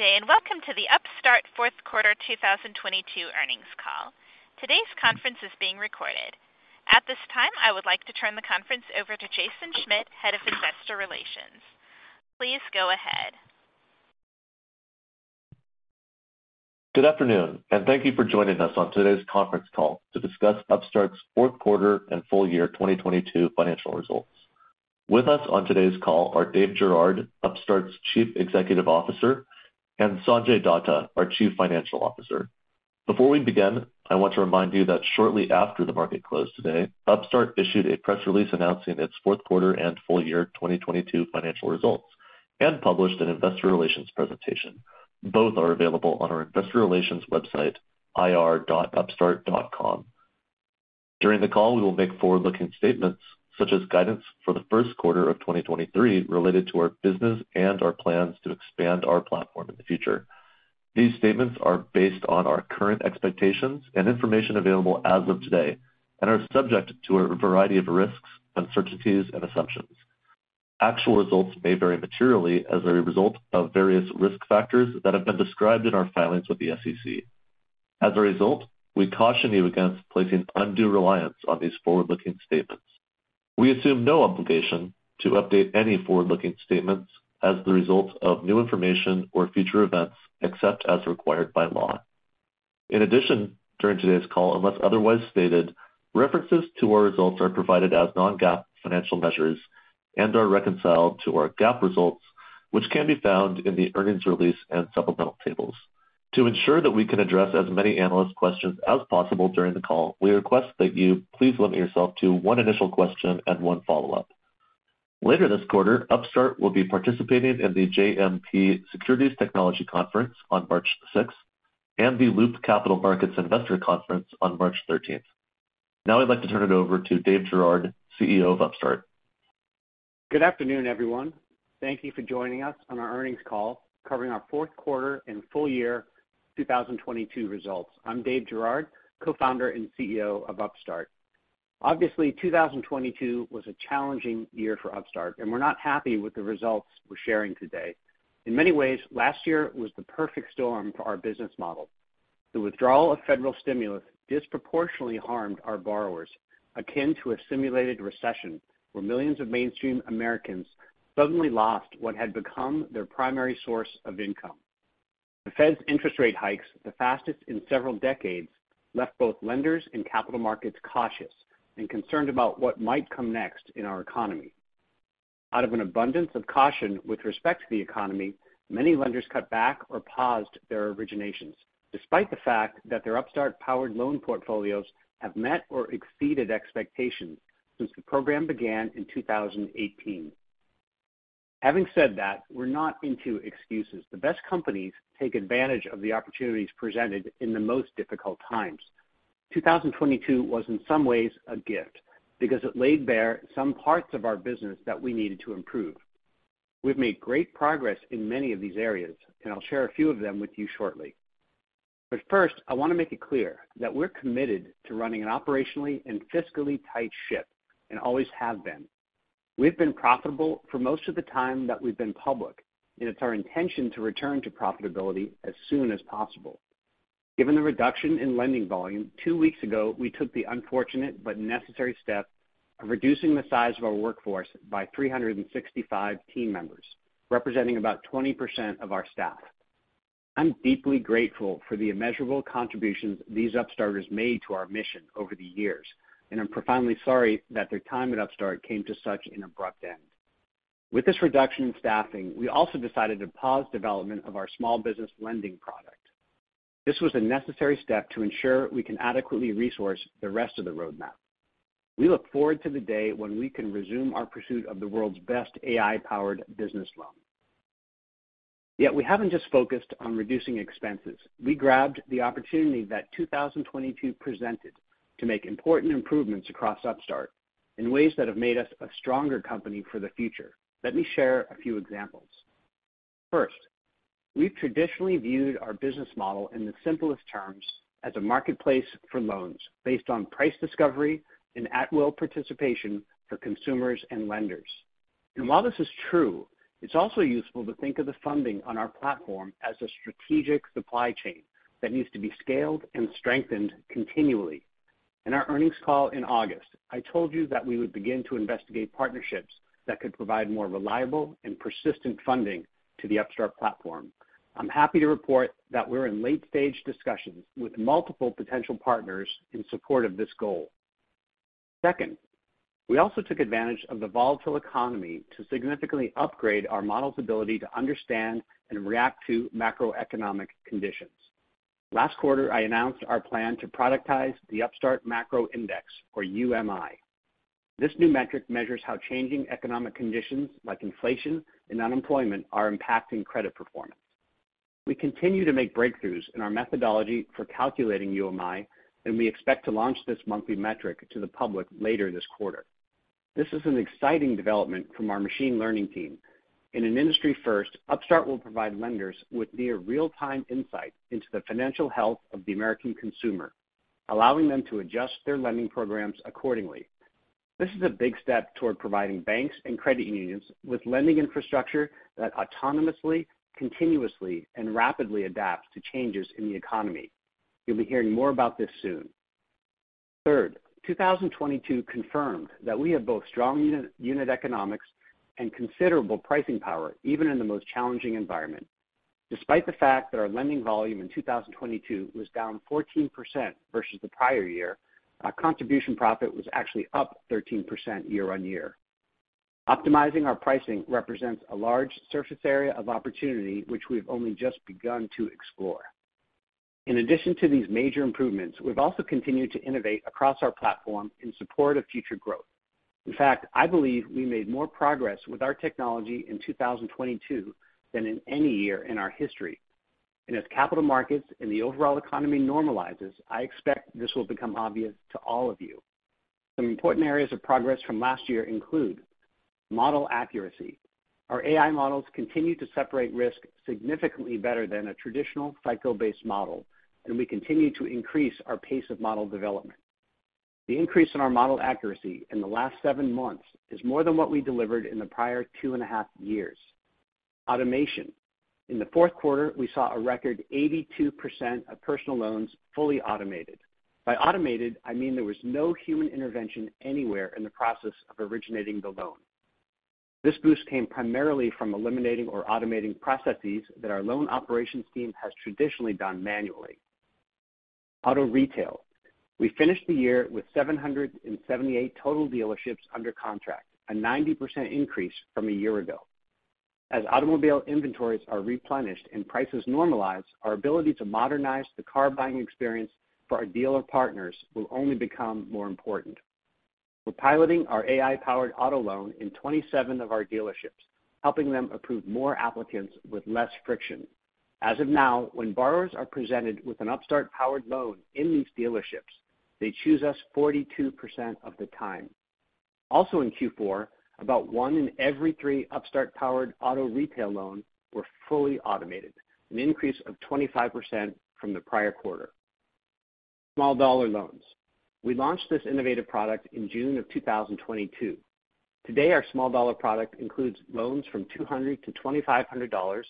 Good day, and welcome to the Upstart Fourth Quarter 2022 Earnings Call. Today's conference is being recorded. At this time, I would like to turn the conference over to Jason Schmidt, Head of Investor Relations. Please go ahead. Good afternoon, and thank you for joining us on today's conference call to discuss Upstart's fourth quarter and full year 2022 financial results. With us on today's call are Dave Girouard, Upstart's Chief Executive Officer, and Sanjay Datta, our Chief Financial Officer. Before we begin, I want to remind you that shortly after the market closed today, Upstart issued a press release announcing its fourth quarter and full year 2022 financial results and published an investor relations presentation. Both are available on our investor relations website, ir.upstart.com. During the call, we will make forward-looking statements such as guidance for the first quarter of 2023 related to our business and our plans to expand our platform in the future. These statements are based on our current expectations and information available as of today and are subject to a variety of risks, uncertainties, and assumptions. Actual results may vary materially as a result of various risk factors that have been described in our filings with the SEC. We caution you against placing undue reliance on these forward-looking statements. We assume no obligation to update any forward-looking statements as the result of new information or future events, except as required by law. During today's call, unless otherwise stated, references to our results are provided as non-GAAP financial measures and are reconciled to our GAAP results, which can be found in the earnings release and supplemental tables. To ensure that we can address as many analyst questions as possible during the call, we request that you please limit yourself to one initial question and one follow-up. Later this quarter, Upstart will be participating in the JMP Securities Technology Conference on March 6th and the Loop Capital Markets Investor Conference on March 13th. Now I'd like to turn it over to Dave Girouard, CEO of Upstart. Good afternoon, everyone. Thank you for joining us on our earnings call covering our Q4 and full year 2022 results. I'm Dave Girouard, co-founder and CEO of Upstart. Obviously, 2022 was a challenging year for Upstart, and we're not happy with the results we're sharing today. In many ways, last year was the perfect storm for our business model. The withdrawal of federal stimulus disproportionately harmed our borrowers, akin to a simulated recession where millions of mainstream Americans suddenly lost what had become their primary source of income. The Fed's interest rate hikes, the fastest in several decades, left both lenders and capital markets cautious and concerned about what might come next in our economy. Out of an abundance of caution with respect to the economy, many lenders cut back or paused their originations, despite the fact that their Upstart-powered loan portfolios have met or exceeded expectations since the program began in 2018. Having said that, we're not into excuses. The best companies take advantage of the opportunities presented in the most difficult times. 2022 was in some ways a gift because it laid bare some parts of our business that we needed to improve. We've made great progress in many of these areas. I'll share a few of them with you shortly. First, I want to make it clear that we're committed to running an operationally and fiscally tight ship, and always have been. We've been profitable for most of the time that we've been public. It's our intention to return to profitability as soon as possible. Given the reduction in lending volume, two weeks ago, we took the unfortunate but necessary step of reducing the size of our workforce by 365 team members, representing about 20% of our staff. I'm deeply grateful for the immeasurable contributions these Upstarters made to our mission over the years, and I'm profoundly sorry that their time at Upstart came to such an abrupt end. With this reduction in staffing, we also decided to pause development of our small business lending product. This was a necessary step to ensure we can adequately resource the rest of the roadmap. We look forward to the day when we can resume our pursuit of the world's best AI-powered business loan. We haven't just focused on reducing expenses. We grabbed the opportunity that 2022 presented to make important improvements across Upstart in ways that have made us a stronger company for the future. Let me share a few examples. First, we've traditionally viewed our business model in the simplest terms as a marketplace for loans based on price discovery and at-will participation for consumers and lenders. While this is true, it's also useful to think of the funding on our platform as a strategic supply chain that needs to be scaled and strengthened continually. In our earnings call in August, I told you that we would begin to investigate partnerships that could provide more reliable and persistent funding to the Upstart platform. I'm happy to report that we're in late-stage discussions with multiple potential partners in support of this goal. Second, we also took advantage of the volatile economy to significantly upgrade our model's ability to understand and react to macroeconomic conditions. Last quarter, I announced our plan to productize the Upstart Macro Index, or UMI. This new metric measures how changing economic conditions like inflation and unemployment are impacting credit performance. We continue to make breakthroughs in our methodology for calculating UMI, and we expect to launch this monthly metric to the public later this quarter. This is an exciting development from our machine learning team. In an industry first, Upstart will provide lenders with near real-time insight into the financial health of the American consumer, allowing them to adjust their lending programs accordingly. This is a big step toward providing banks and credit unions with lending infrastructure that autonomously, continuously, and rapidly adapts to changes in the economy. You'll be hearing more about this soon. Third, 2022 confirmed that we have both strong unit economics and considerable pricing power, even in the most challenging environment. Despite the fact that our lending volume in 2022 was down 14% versus the prior year, our contribution profit was actually up 13% year-on-year. Optimizing our pricing represents a large surface area of opportunity, which we've only just begun to explore. In addition to these major improvements, we've also continued to innovate across our platform in support of future growth. In fact, I believe we made more progress with our technology in 2022 than in any year in our history. As capital markets and the overall economy normalizes, I expect this will become obvious to all of you. Some important areas of progress from last year include model accuracy. Our AI models continue to separate risk significantly better than a traditional cycle-based model, and we continue to increase our pace of model development. The increase in our model accuracy in the last seven months is more than what we delivered in the prior two and a half years. Automation. In the fourth quarter, we saw a record 82% of personal loans fully automated. By automated, I mean there was no human intervention anywhere in the process of originating the loan. This boost came primarily from eliminating or automating processes that our loan operations team has traditionally done manually. Auto retail. We finished the year with 778 total dealerships under contract, a 90% increase from a year ago. As automobile inventories are replenished and prices normalize, our ability to modernize the car buying experience for our dealer partners will only become more important. We're piloting our AI-powered auto loan in 27 of our dealerships, helping them approve more applicants with less friction. As of now, when borrowers are presented with an Upstart-powered loan in these dealerships, they choose us 42% of the time. In Q4, about one in every three Upstart-powered auto retail loans were fully automated, an increase of 25% from the prior quarter. Small dollar loans. We launched this innovative product in June of 2022. Today, our small dollar product includes loans from $200 to $2,500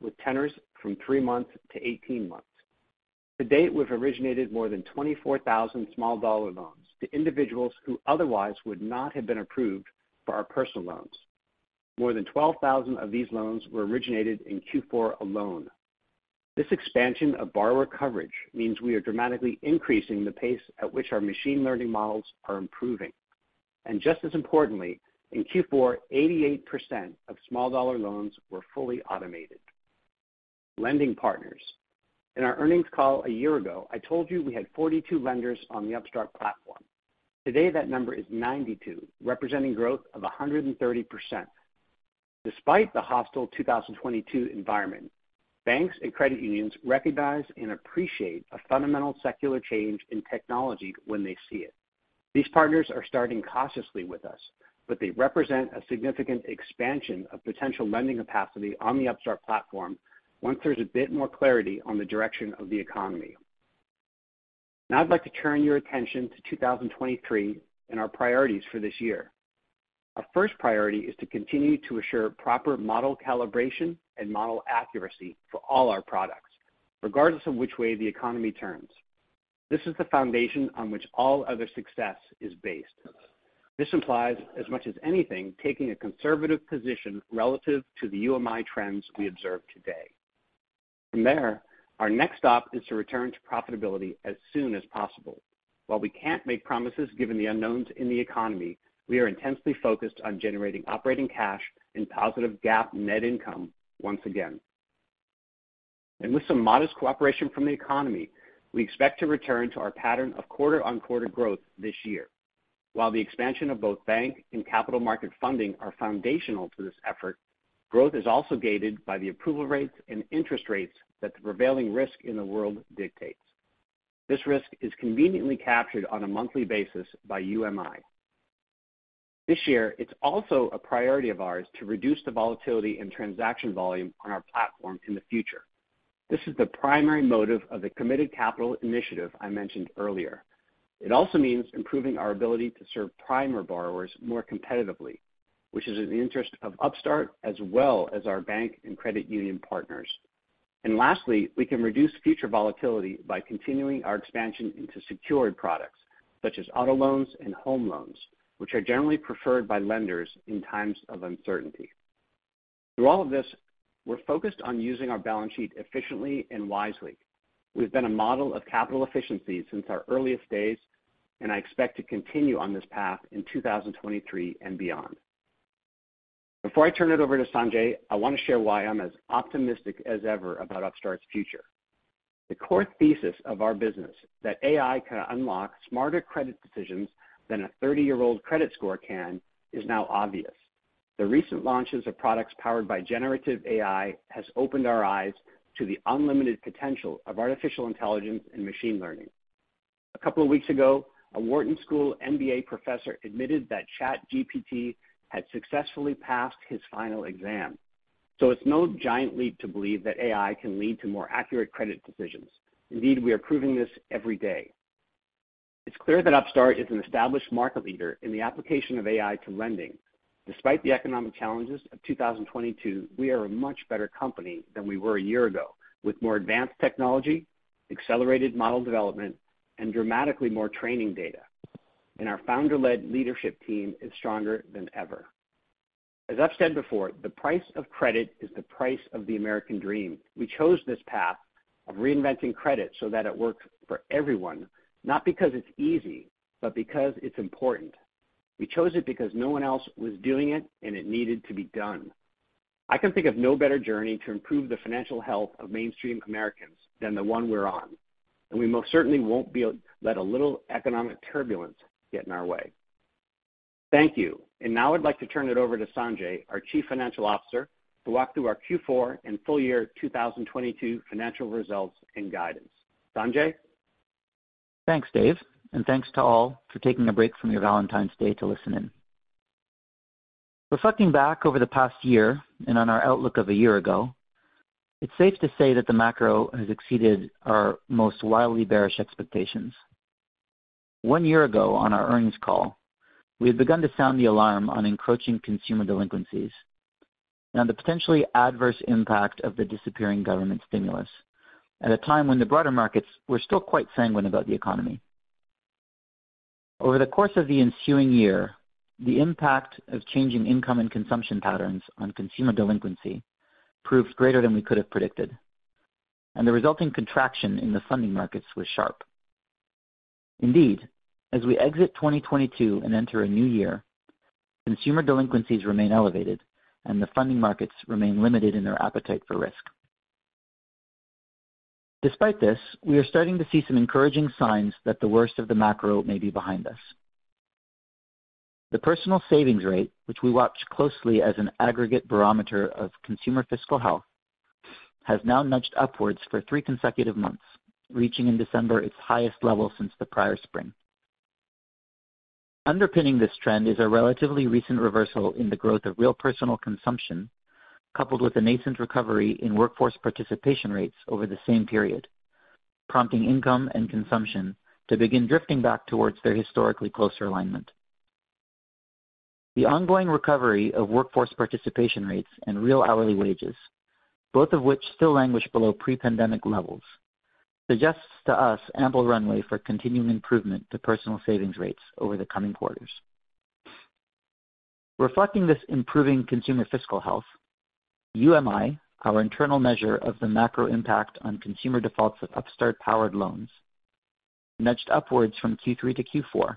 with tenors from three months to 18 months. To date, we've originated more than 24,000 small dollar loans to individuals who otherwise would not have been approved for our personal loans. More than 12,000 of these loans were originated in Q4 alone. This expansion of borrower coverage means we are dramatically increasing the pace at which our machine learning models are improving. Just as importantly, in Q4, 88% of small-dollar loans were fully automated. Lending partners. In our earnings call a year ago, I told you we had 42 lenders on the Upstart platform. Today, that number is 92, representing growth of 130%. Despite the hostile 2022 environment, banks and credit unions recognize and appreciate a fundamental secular change in technology when they see it. These partners are starting cautiously with us, but they represent a significant expansion of potential lending capacity on the Upstart platform once there's a bit more clarity on the direction of the economy. Now I'd like to turn your attention to 2023 and our priorities for this year. Our first priority is to continue to assure proper model calibration and model accuracy for all our products, regardless of which way the economy turns. This is the foundation on which all other success is based. This implies, as much as anything, taking a conservative position relative to the UMI trends we observe today. Our next stop is to return to profitability as soon as possible. While we can't make promises given the unknowns in the economy, we are intensely focused on generating operating cash and positive GAAP net income once again. With some modest cooperation from the economy, we expect to return to our pattern of quarter-on-quarter growth this year. While the expansion of both bank and capital market funding are foundational to this effort, growth is also gated by the approval rates and interest rates that the prevailing risk in the world dictates. This risk is conveniently captured on a monthly basis by UMI. This year, it's also a priority of ours to reduce the volatility and transaction volume on our platform in the future. This is the primary motive of the committed capital initiative I mentioned earlier. It also means improving our ability to serve prime borrowers more competitively, which is in the interest of Upstart as well as our bank and credit union partners. Lastly, we can reduce future volatility by continuing our expansion into secured products, such as auto loans and home loans, which are generally preferred by lenders in times of uncertainty. Through all of this, we're focused on using our balance sheet efficiently and wisely. We've been a model of capital efficiency since our earliest days. I expect to continue on this path in 2023 and beyond. Before I turn it over to Sanjay, I want to share why I'm as optimistic as ever about Upstart's future. The core thesis of our business, that AI can unlock smarter credit decisions than a 30-year-old credit score can, is now obvious. The recent launches of products powered by generative AI has opened our eyes to the unlimited potential of artificial intelligence and machine learning. A couple of weeks ago, a Wharton School MBA professor admitted that ChatGPT had successfully passed his final exam. It's no giant leap to believe that AI can lead to more accurate credit decisions. Indeed, we are proving this every day. It's clear that Upstart is an established market leader in the application of AI to lending. Despite the economic challenges of 2022, we are a much better company than we were a year ago, with more advanced technology, accelerated model development, and dramatically more training data. Our founder-led leadership team is stronger than ever. As I've said before, the price of credit is the price of the American dream. We chose this path of reinventing credit so that it works for everyone, not because it's easy, but because it's important. We chose it because no one else was doing it and it needed to be done. I can think of no better journey to improve the financial health of mainstream Americans than the one we're on, and we most certainly won't let a little economic turbulence get in our way. Thank you. Now I'd like to turn it over to Sanjay, our Chief Financial Officer, to walk through our Q4 and full year 2022 financial results and guidance. Sanjay? Thanks, Dave, and thanks to all for taking a break from your Valentine's Day to listen in. Reflecting back over the past year and on our outlook of a year ago, it's safe to say that the macro has exceeded our most wildly bearish expectations. One year ago on our earnings call, we had begun to sound the alarm on encroaching consumer delinquencies and the potentially adverse impact of the disappearing government stimulus at a time when the broader markets were still quite sanguine about the economy. Over the course of the ensuing year, the impact of changing income and consumption patterns on consumer delinquency proved greater than we could have predicted, and the resulting contraction in the funding markets was sharp. Indeed, as we exit 2022 and enter a new year, consumer delinquencies remain elevated, and the funding markets remain limited in their appetite for risk. Despite this, we are starting to see some encouraging signs that the worst of the macro may be behind us. The personal savings rate, which we watch closely as an aggregate barometer of consumer fiscal health, has now nudged upwards for three consecutive months, reaching in December its highest level since the prior spring. Underpinning this trend is a relatively recent reversal in the growth of real personal consumption, coupled with a nascent recovery in workforce participation rates over the same period, prompting income and consumption to begin drifting back towards their historically closer alignment. The ongoing recovery of workforce participation rates and real hourly wages, both of which still languish below pre-pandemic levels, suggests to us ample runway for continuing improvement to personal savings rates over the coming quarters. Reflecting this improving consumer fiscal health, UMI, our internal measure of the macro impact on consumer defaults of Upstart-powered loans, nudged upwards from Q3 to Q4,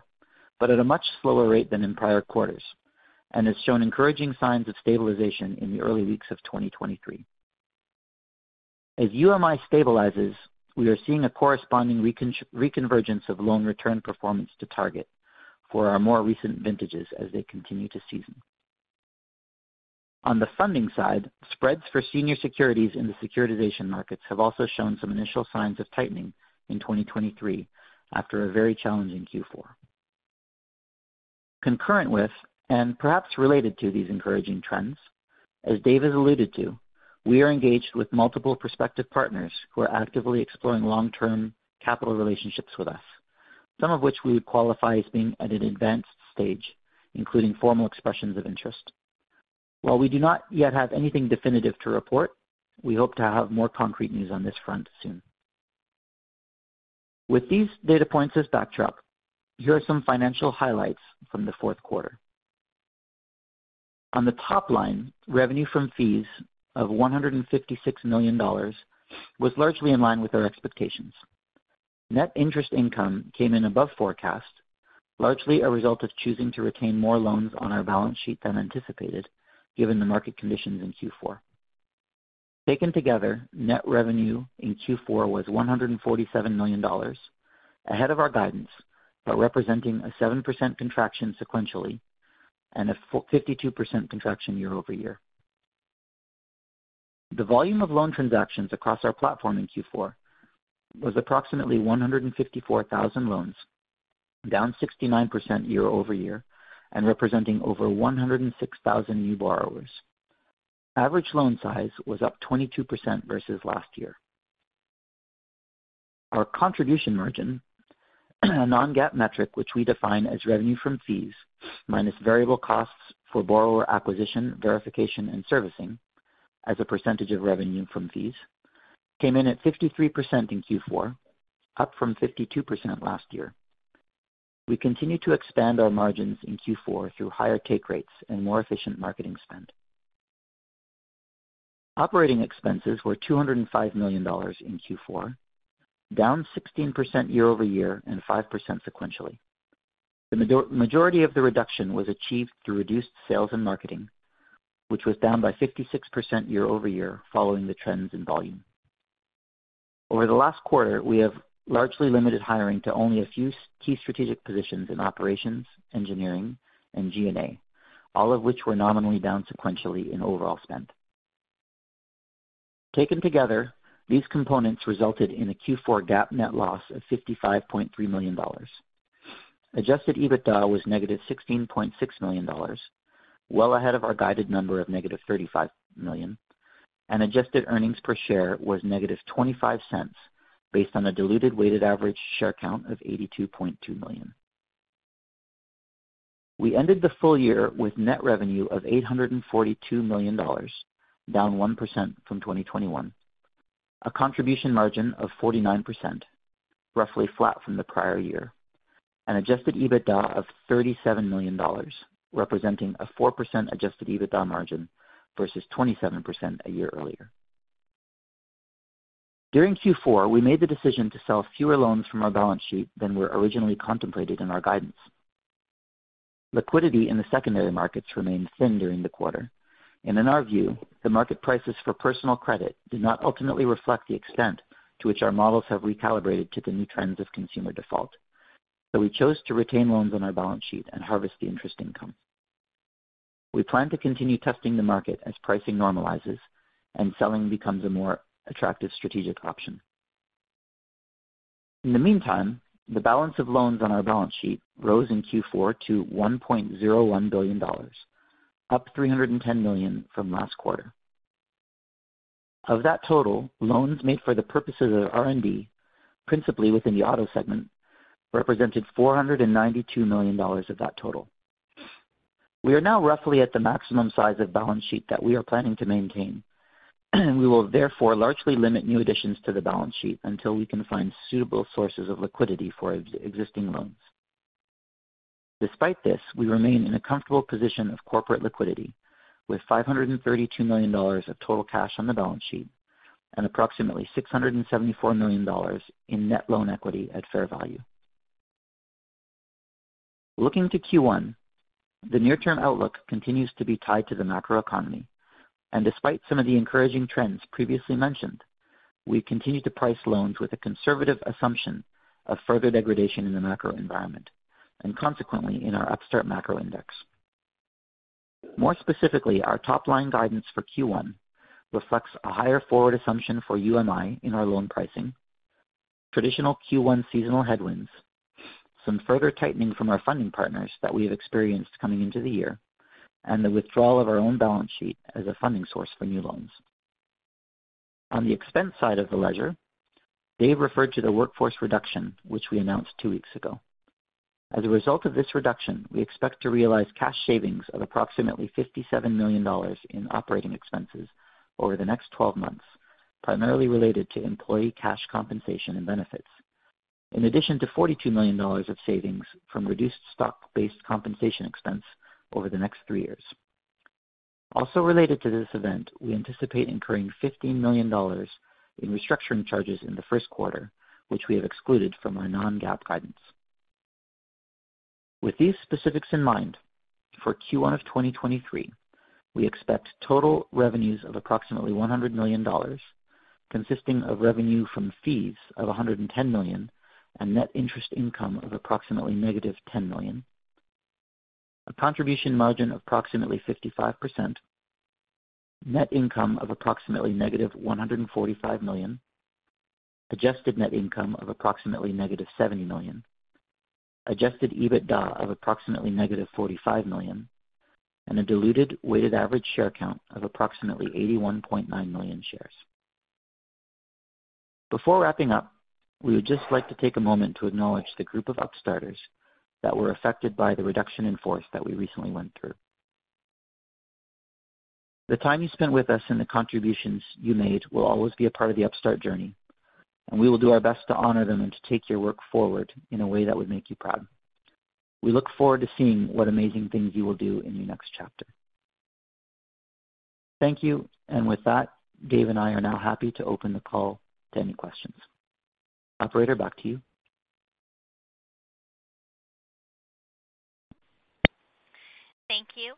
at a much slower rate than in prior quarters and has shown encouraging signs of stabilization in the early weeks of 2023. As UMI stabilizes, we are seeing a corresponding reconvergence of loan return performance to target for our more recent vintages as they continue to season. On the funding side, spreads for senior securities in the securitization markets have also shown some initial signs of tightening in 2023 after a very challenging Q4. Concurrent with, and perhaps related to these encouraging trends, as Dave has alluded to, we are engaged with multiple prospective partners who are actively exploring long-term capital relationships with us, some of which we would qualify as being at an advanced stage, including formal expressions of interest. While we do not yet have anything definitive to report, we hope to have more concrete news on this front soon. With these data points as backdrop, here are some financial highlights from the fourth quarter. On the top line, revenue from fees of $156 million was largely in line with our expectations. Net interest income came in above forecast, largely a result of choosing to retain more loans on our balance sheet than anticipated given the market conditions in Q4. Taken together, net revenue in Q4 was $147 million, ahead of our guidance, representing a 52% contraction sequentially and a 52% contraction year-over-year. The volume of loan transactions across our platform in Q4 was approximately 154,000 loans, down 69% year-over-year and representing over 106,000 new borrowers. Average loan size was up 22% versus last year. Our contribution margin, a non-GAAP metric which we define as revenue from fees minus variable costs for borrower acquisition, verification, and servicing as a percentage of revenue from fees, came in at 53% in Q4, up from 52% last year. We continued to expand our margins in Q4 through higher take rates and more efficient marketing spend. Operating expenses were $205 million in Q4, down 16% year-over-year and 5% sequentially. The majority of the reduction was achieved through reduced sales and marketing, which was down by 56% year-over-year following the trends in volume. Over the last quarter, we have largely limited hiring to only a few key strategic positions in operations, engineering, and G&A, all of which were nominally down sequentially in overall spend. Taken together, these components resulted in a Q4 GAAP net loss of $55.3 million. Adjusted EBITDA was negative $16.6 million, well ahead of our guided number of negative $35 million. Adjusted earnings per share was negative $0.25, based on a diluted weighted average share count of 82.2 million. We ended the full year with net revenue of $842 million, down 1% from 2021. A contribution margin of 49%, roughly flat from the prior year. An adjusted EBITDA of $37 million, representing a 4% adjusted EBITDA margin versus 27% a year earlier. During Q4, we made the decision to sell fewer loans from our balance sheet than were originally contemplated in our guidance. Liquidity in the secondary markets remained thin during the quarter, and in our view, the market prices for personal credit did not ultimately reflect the extent to which our models have recalibrated to the new trends of consumer default. We chose to retain loans on our balance sheet and harvest the interest income. We plan to continue testing the market as pricing normalizes and selling becomes a more attractive strategic option. In the meantime, the balance of loans on our balance sheet rose in Q4 to $1.01 billion, up $310 million from last quarter. Of that total, loans made for the purposes of R&D, principally within the auto segment, represented $492 million of that total. We are now roughly at the maximum size of balance sheet that we are planning to maintain, we will therefore largely limit new additions to the balance sheet until we can find suitable sources of liquidity for existing loans. Despite this, we remain in a comfortable position of corporate liquidity, with $532 million of total cash on the balance sheet and approximately $674 million in net loan equity at fair value. Looking to Q1, the near-term outlook continues to be tied to the macroeconomy. Despite some of the encouraging trends previously mentioned, we continue to price loans with a conservative assumption of further degradation in the macro environment and consequently in our Upstart Macro Index. More specifically, our top-line guidance for Q1 reflects a higher forward assumption for UMI in our loan pricing, traditional Q1 seasonal headwinds, some further tightening from our funding partners that we have experienced coming into the year, and the withdrawal of our own balance sheet as a funding source for new loans. On the expense side of the ledger, Dave referred to the workforce reduction which we announced two weeks ago. As a result of this reduction, we expect to realize cash savings of approximately $57 million in operating expenses over the next 12 months, primarily related to employee cash compensation and benefits, in addition to $42 million of savings from reduced stock-based compensation expense over the next three years. Also related to this event, we anticipate incurring $15 million in restructuring charges in the first quarter, which we have excluded from our non-GAAP guidance. With these specifics in mind, for Q1 of 2023, we expect total revenues of approximately $100 million, consisting of revenue from fees of $110 million and net interest income of approximately negative $10 million. A contribution margin of approximately 55%. Net income of approximately negative $145 million. Adjusted net income of approximately negative $7 million. Adjusted EBITDA of approximately negative $45 million. A diluted weighted average share count of approximately 81.9 million shares. Before wrapping up, we would just like to take a moment to acknowledge the group of Upstarters that were affected by the reduction in force that we recently went through. The time you spent with us and the contributions you made will always be a part of the Upstart journey, and we will do our best to honor them and to take your work forward in a way that would make you proud. We look forward to seeing what amazing things you will do in your next chapter. Thank you. With that, Dave and I are now happy to open the call to any questions. Operator, back to you. Thank you.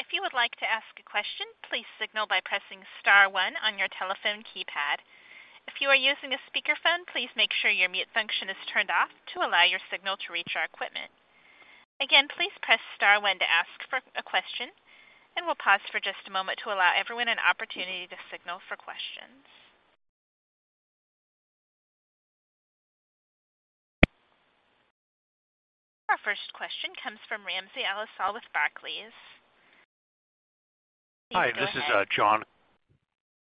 If you would like to ask a question, please signal by pressing star one on your telephone keypad. If you are using a speakerphone, please make sure your mute function is turned off to allow your signal to reach our equipment. Again, please press star one to ask for a question, and we'll pause for just a moment to allow everyone an opportunity to signal for questions. Our first question comes from Ramsey El-Assal with Barclays. Please go ahead. Hi, this is John.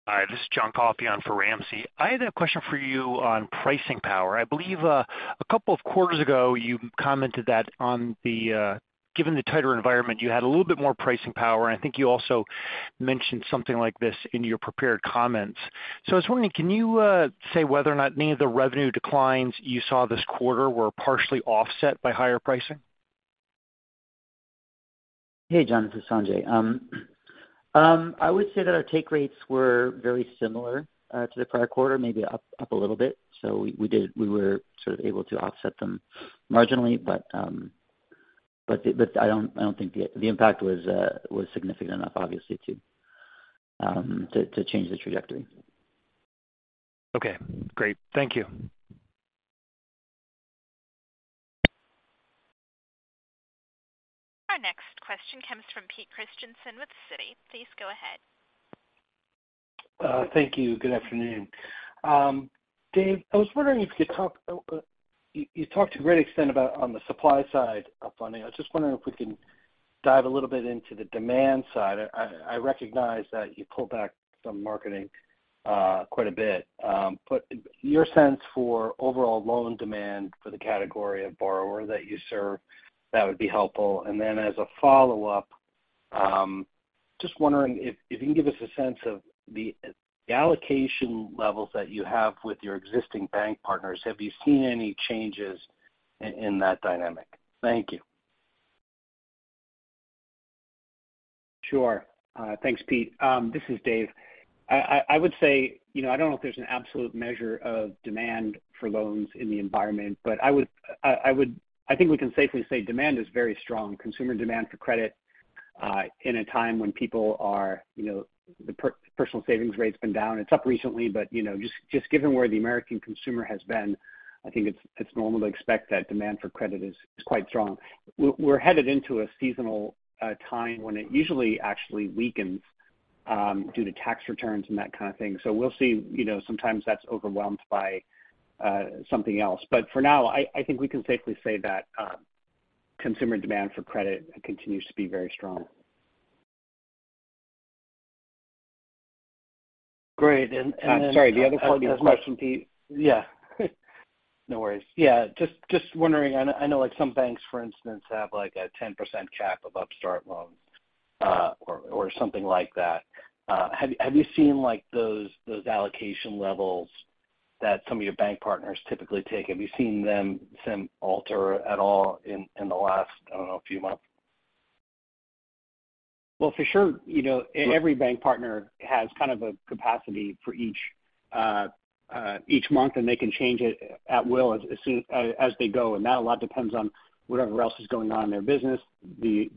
Hi, this is John Kalfayan for Ramsey. I had a question for you on pricing power. I believe a couple of quarters ago you commented that on the given the tighter environment, you had a little bit more pricing power, and I think you also mentioned something like this in your prepared comments. I was wondering, can you say whether or not any of the revenue declines you saw this quarter were partially offset by higher pricing? Hey, John, this is Sanjay. I would say that our take rates were very similar to the prior quarter, maybe up a little bit. We were sort of able to offset them marginally. I don't think the impact was significant enough, obviously, to change the trajectory. Okay, great. Thank you. Question comes from Peter Christiansen with Citi. Please go ahead. Thank you. Good afternoon. Dave, I was wondering if you could talk. You talked to a great extent about on the supply side of funding. I was just wondering if we can dive a little bit into the demand side. I recognize that you pulled back some marketing quite a bit. Your sense for overall loan demand for the category of borrower that you serve, that would be helpful. As a follow-up, just wondering if you can give us a sense of the allocation levels that you have with your existing bank partners. Have you seen any changes in that dynamic? Thank you. Sure. Thanks, Pete. This is Dave. I would say, you know, I don't know if there's an absolute measure of demand for loans in the environment, but I think we can safely say demand is very strong. Consumer demand for credit, in a time when people are, you know, the personal savings rate's been down. It's up recently, but, you know, just given where the American consumer has been, I think it's normal to expect that demand for credit is quite strong. We're headed into a seasonal, time when it usually actually weakens, due to tax returns and that kind of thing. We'll see, you know, sometimes that's overwhelmed by, something else. For now, I think we can safely say that, consumer demand for credit continues to be very strong. Great. Sorry, the other part of the question, Pete. No worries. Just wondering, I know, like some banks, for instance, have like a 10% cap of Upstart loans, or something like that. Have you seen like those allocation levels that some of your bank partners typically take? Have you seen them alter at all in the last, I don't know, few months? Well, for sure, you know, every bank partner has kind of a capacity for each month, and they can change it at will as they go. That a lot depends on whatever else is going on in their business, the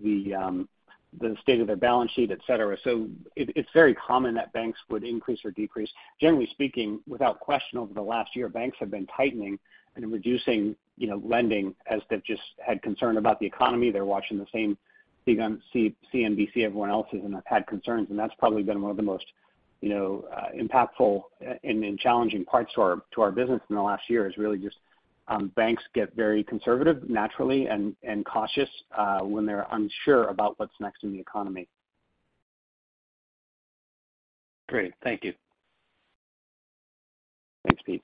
state of their balance sheet, et cetera. It's very common that banks would increase or decrease. Generally speaking, without question, over the last year, banks have been tightening and reducing, you know, lending as they've just had concern about the economy. They're watching the same thing on CNBC everyone else is, and have had concerns. That's probably been one of the most, you know, impactful and challenging parts to our business in the last year, is really just, banks get very conservative naturally and cautious, when they're unsure about what's next in the economy. Great. Thank you. Thanks, Pete.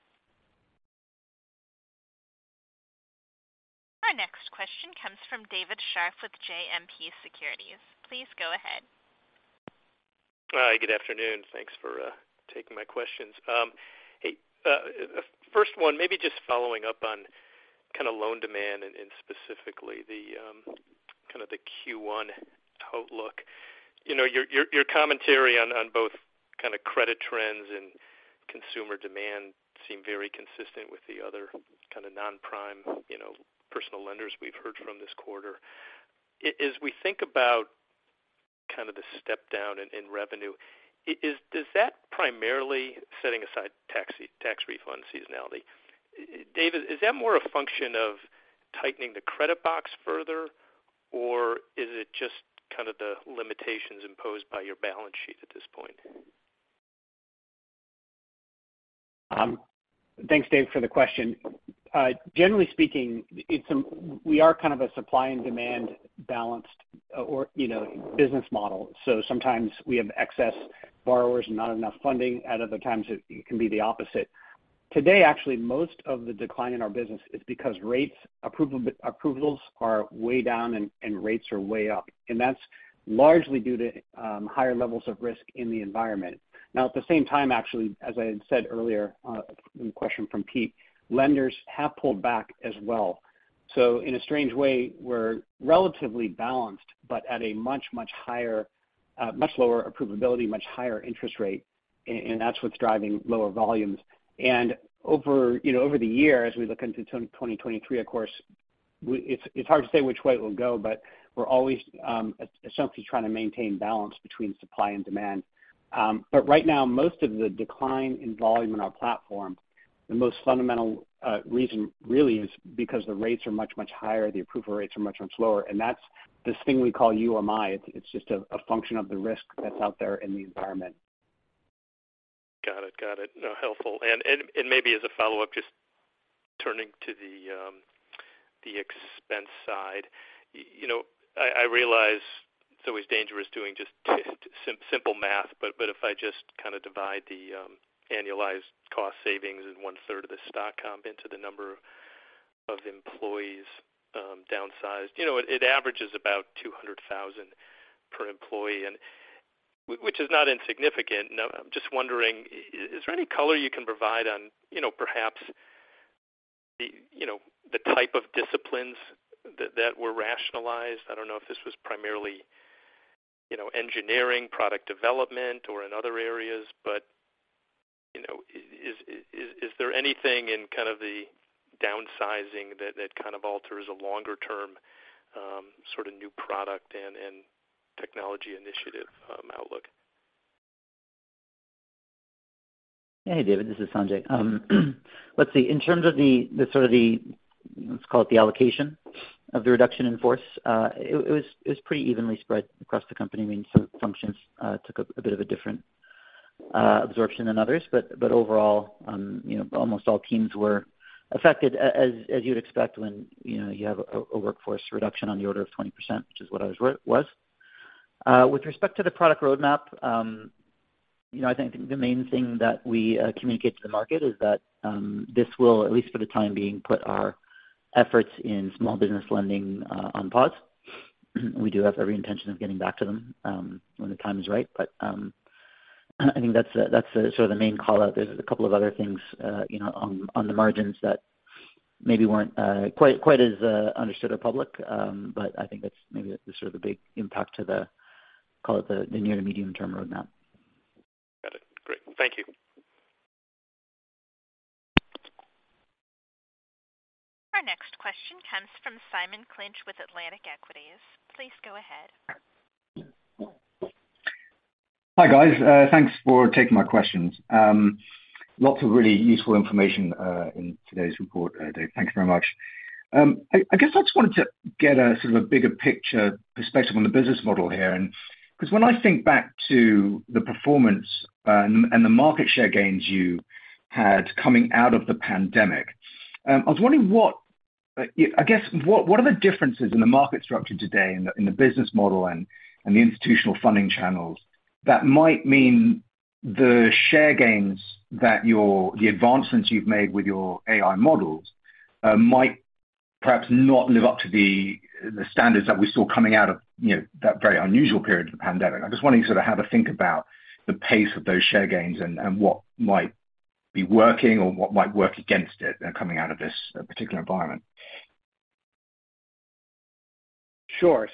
Our next question comes from David Scharf with JMP Securities. Please go ahead. Hi, good afternoon. Thanks for taking my questions. Hey, first one, maybe just following up on kind of loan demand and specifically the kind of the Q1 outlook. You know, your commentary on both kind of credit trends and consumer demand seem very consistent with the other kind of non-prime, you know, personal lenders we've heard from this quarter. As we think about kind of the step down in revenue, does that primarily setting aside tax refund seasonality, Dave, is that more a function of tightening the credit box further, or is it just kind of the limitations imposed by your balance sheet at this point? Thanks, David, for the question. Generally speaking, it's we are kind of a supply and demand balanced or, you know, business model. Sometimes we have excess borrowers and not enough funding. At other times, it can be the opposite. Today, actually, most of the decline in our business is because rates approvals are way down and rates are way up. That's largely due to higher levels of risk in the environment. Now, at the same time, actually, as I had said earlier, in the question from Pete, lenders have pulled back as well. In a strange way, we're relatively balanced, but at a much higher, much lower approvability, much higher interest rate, and that's what's driving lower volumes. Over, you know, over the year, as we look into 2023, of course, it's hard to say which way it will go, but we're always essentially trying to maintain balance between supply and demand. Right now, most of the decline in volume in our platform, the most fundamental reason really is because the rates are much, much higher, the approval rates are much, much lower. That's this thing we call UMI. It's just a function of the risk that's out there in the environment. Got it. Got it. No, helpful. Maybe as a follow-up, just turning to the expense side. You know, I realize it's always dangerous doing just simple math, but if I just kinda divide the annualized cost savings and one-third of the stock comp into the number of employees downsized, you know, it averages about $200,000 per employee, which is not insignificant. I'm just wondering, is there any color you can provide on, you know, perhaps the, you know, the type of disciplines that were rationalized? I don't know if this was primarily, you know, engineering, product development, or in other areas. You know, is there anything in kind of the downsizing that kind of alters a longer-term sort of new product and technology initiative outlook? Hey, David, this is Sanjay. Let's see. In terms of the sort of the, let's call it the allocation of the reduction in force, it was pretty evenly spread across the company, I mean, so functions took a bit of a different absorption than others. Overall, you know, almost all teams were affected as you'd expect when, you know, you have a workforce reduction on the order of 20%, which is what I was. With respect to the product roadmap, you know, I think the main thing that we communicate to the market is that this will at least for the time being, put our efforts in small business lending on pause. We do have every intention of getting back to them when the time is right. I think that's the sort of the main call-out. There's a couple of other things, you know, on the margins that maybe weren't quite as understood or public. I think that's maybe the sort of the big impact to call it the near to medium term roadmap. Got it. Great. Thank you. Our next question comes from Simon Clinch with Atlantic Equities. Please go ahead. Hi, guys. Thanks for taking my questions. Lots of really useful information in today's report, Dave, thanks very much. I guess I just wanted to get a sort of a bigger picture perspective on the business model here. When I think back to the performance, and the market share gains you had coming out of the pandemic, I was wondering, I guess, what are the differences in the market structure today in the business model and the institutional funding channels that might mean the share gains that The advancements you've made with your AI models, might perhaps not live up to the standards that we saw coming out of, you know, that very unusual period of the pandemic. I'm just wondering sort of have a think about the pace of those share gains and what might be working or what might work against it coming out of this particular environment. Sure.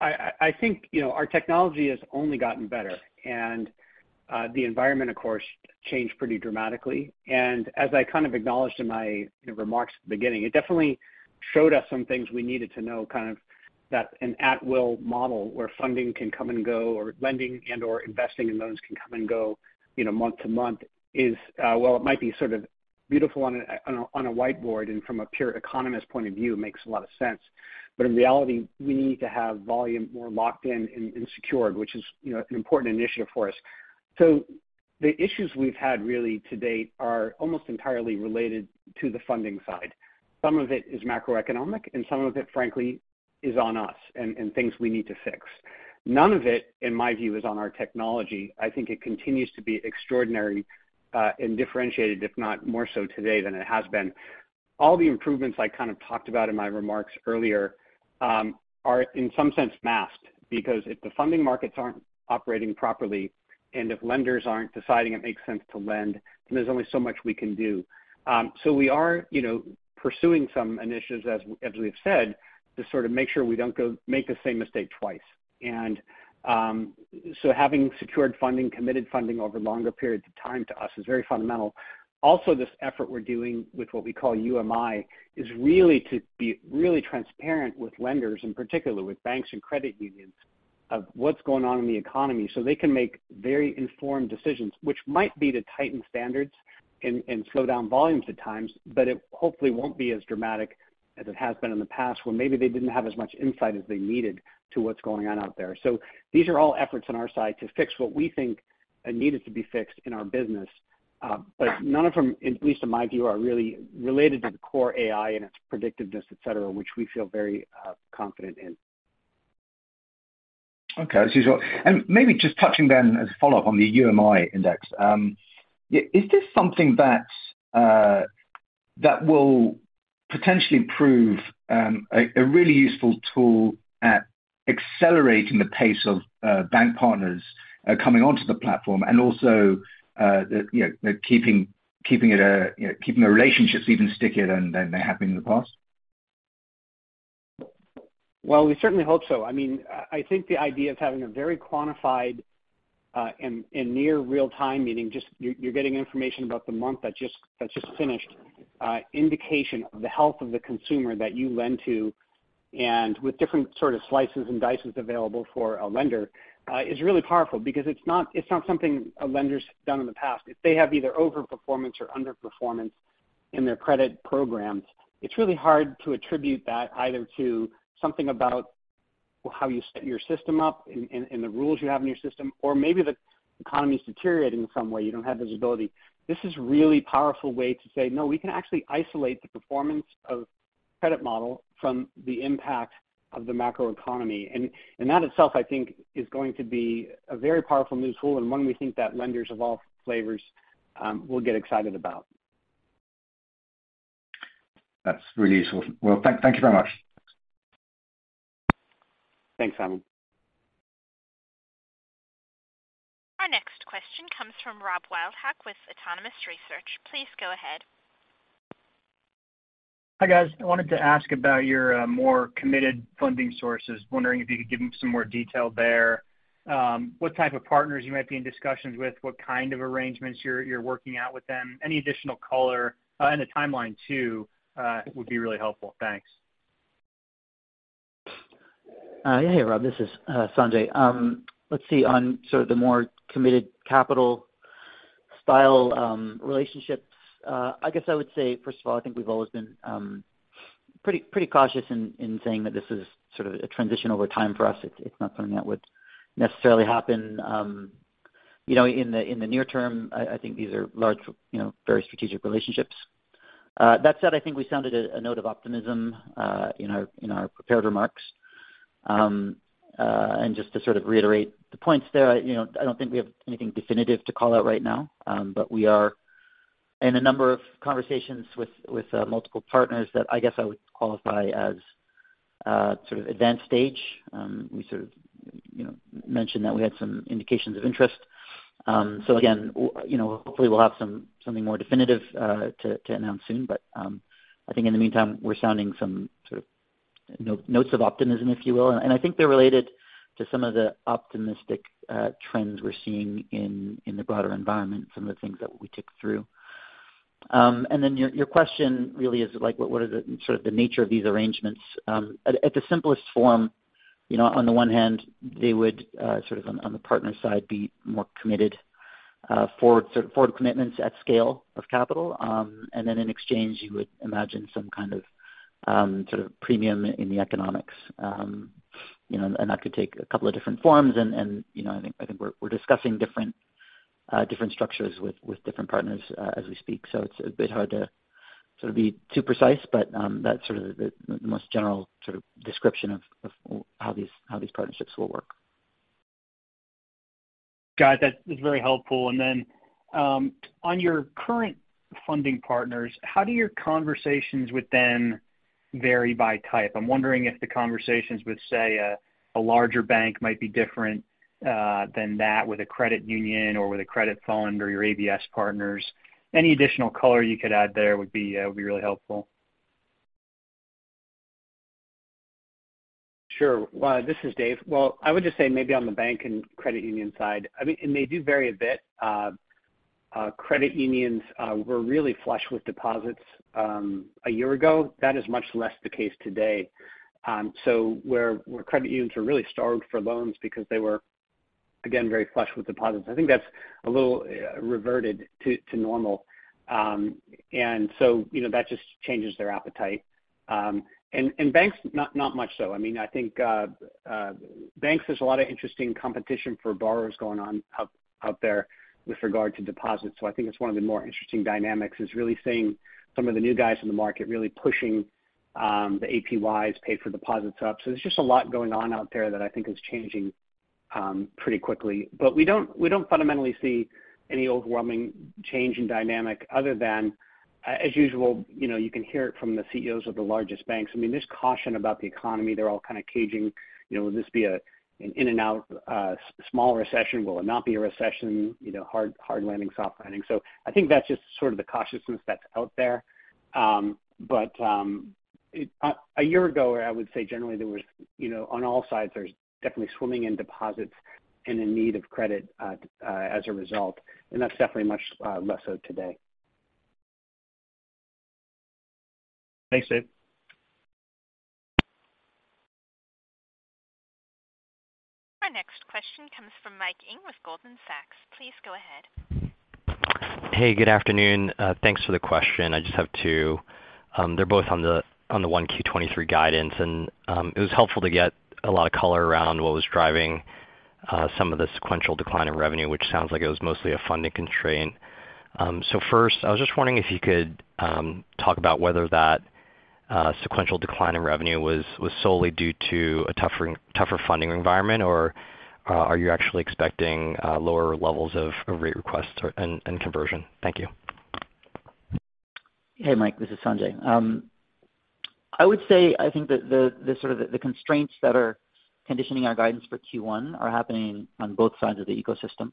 I think, you know, our technology has only gotten better. The environment, of course, changed pretty dramatically. As I kind of acknowledged in my, you know, remarks at the beginning, it definitely showed us some things we needed to know kind of that an at-will model where funding can come and go, or lending and/or investing in loans can come and go, you know, month to month is, well, it might be sort of beautiful on a, on a, on a whiteboard and from a pure economist point of view makes a lot of sense. In reality, we need to have volume more locked in and secured, which is, you know, an important initiative for us. The issues we've had really to date are almost entirely related to the funding side. Some of it is macroeconomic, and some of it, frankly, is on us and things we need to fix. None of it, in my view, is on our technology. I think it continues to be extraordinary and differentiated, if not more so today than it has been. All the improvements I kind of talked about in my remarks earlier, are in some sense masked because if the funding markets aren't operating properly and if lenders aren't deciding it makes sense to lend, then there's only so much we can do. We are, you know, pursuing some initiatives as we've said, to sort of make sure we don't go make the same mistake twice. Having secured funding, committed funding over longer periods of time to us is very fundamental. This effort we're doing with what we call UMI is really to be really transparent with lenders, in particular with banks and credit unions, of what's going on in the economy so they can make very informed decisions, which might be to tighten standards and slow down volumes at times, but it hopefully won't be as dramatic as it has been in the past, where maybe they didn't have as much insight as they needed to what's going on out there. These are all efforts on our side to fix what we think needed to be fixed in our business. None of them, at least in my view, are really related to the core AI and its predictiveness, et cetera, which we feel very confident in. Okay. Maybe just touching then as a follow-up on the UMI index. Yeah, is this something that will potentially prove a really useful tool at accelerating the pace of bank partners coming onto the platform and also you know, keeping it you know, keeping the relationships even stickier than they have been in the past? Well, we certainly hope so. I mean, I think the idea of having a very quantified, and near real time, meaning just you're getting information about the month that just finished, indication of the health of the consumer that you lend to and with different sort of slices and dices available for a lender, is really powerful because it's not something a lender's done in the past. If they have either over-performance or under-performance in their credit programs, it's really hard to attribute that either to something about how you set your system up and the rules you have in your system or maybe the economy is deteriorating in some way, you don't have visibility. This is really powerful way to say, "No, we can actually isolate the performance of credit model from the impact of the macro economy." That itself, I think is going to be a very powerful new tool and one we think that lenders of all flavors will get excited about. That's really useful. Well, thank you very much. Thanks, Simon. Our next question comes from Rob Wildhack with Autonomous Research. Please go ahead. Hi, guys. I wanted to ask about your more committed funding sources. Wondering if you could give me some more detail there. What type of partners you might be in discussions with, what kind of arrangements you're working out with them. Any additional color, and the timeline too, would be really helpful. Thanks. Yeah, Rob, this is Sanjay. Let's see, on sort of the more committed capital style, relationships, I guess I would say, first of all, I think we've always been pretty cautious in saying that this is sort of a transition over time for us. It's not something that would necessarily happen, you know, in the near term. I think these are large, you know, very strategic relationships. That said, I think we sounded a note of optimism in our prepared remarks. Just to sort of reiterate the points there, you know, I don't think we have anything definitive to call out right now, but we are in a number of conversations with multiple partners that I guess I would qualify as sort of advanced stage. We sort of, you know, mentioned that we had some indications of interest. Again, you know, hopefully we'll have something more definitive to announce soon. I think in the meantime, we're sounding some sort of notes of optimism, if you will. I think they're related to some of the optimistic trends we're seeing in the broader environment, some of the things that we took through. Your question really is like, what are the sort of the nature of these arrangements. At the simplest form, you know, on the one hand they would, sort of on the partner side, be more committed, for sort of forward commitments at scale of capital. In exchange, you would imagine some kind of, sort of premium in the economics. You know, that could take a couple of different forms. You know, I think we're discussing different structures with different partners, as we speak. It's a bit hard to sort of be too precise. That's sort of the most general sort of description of how these partnerships will work. Got it. That is very helpful. On your current funding partners, how do your conversations with them vary by type? I'm wondering if the conversations with, say, a larger bank might be different than that with a credit union or with a credit fund or your ABS partners. Any additional color you could add there would be really helpful. Sure. This is Dave. Well, I would just say maybe on the bank and credit union side, I mean, they do vary a bit. Credit unions were really flush with deposits a year ago. That is much less the case today. Where credit unions were really starved for loans because they were, again, very flush with deposits, I think that's a little reverted to normal. You know, that just changes their appetite. Banks not much so. I mean, I think banks, there's a lot of interesting competition for borrowers going on out there with regard to deposits. I think it's one of the more interesting dynamics is really seeing some of the new guys in the market really pushing the APYs pay for deposits up. There's just a lot going on out there that I think is changing pretty quickly. We don't, we don't fundamentally see any overwhelming change in dynamic other than as usual, you know, you can hear it from the CEOs of the largest banks. I mean, there's caution about the economy. They're all kind of caging, you know, will this be an in and out, small recession? Will it not be a recession? You know, hard, hard landing, soft landing. I think that's just sort of the cautiousness that's out there. A year ago, I would say generally there was, you know, on all sides, there's definitely swimming in deposits and in need of credit as a result, and that's definitely much less so today. Thanks, Dave. Our next question comes from Mike Ng with Goldman Sachs. Please go ahead. Hey, good afternoon. Thanks for the question. I just have two. They're both on the 1Q 2023 guidance. It was helpful to get a lot of color around what was driving some of the sequential decline in revenue, which sounds like it was mostly a funding constraint. First, I was just wondering if you could talk about whether that sequential decline in revenue was solely due to a tougher funding environment, or are you actually expecting lower levels of rate requests or and conversion? Thank you. Hey, Mike Ng, this is Sanjay Datta. I would say I think that the sort of the constraints that are conditioning our guidance for Q1 are happening on both sides of the ecosystem.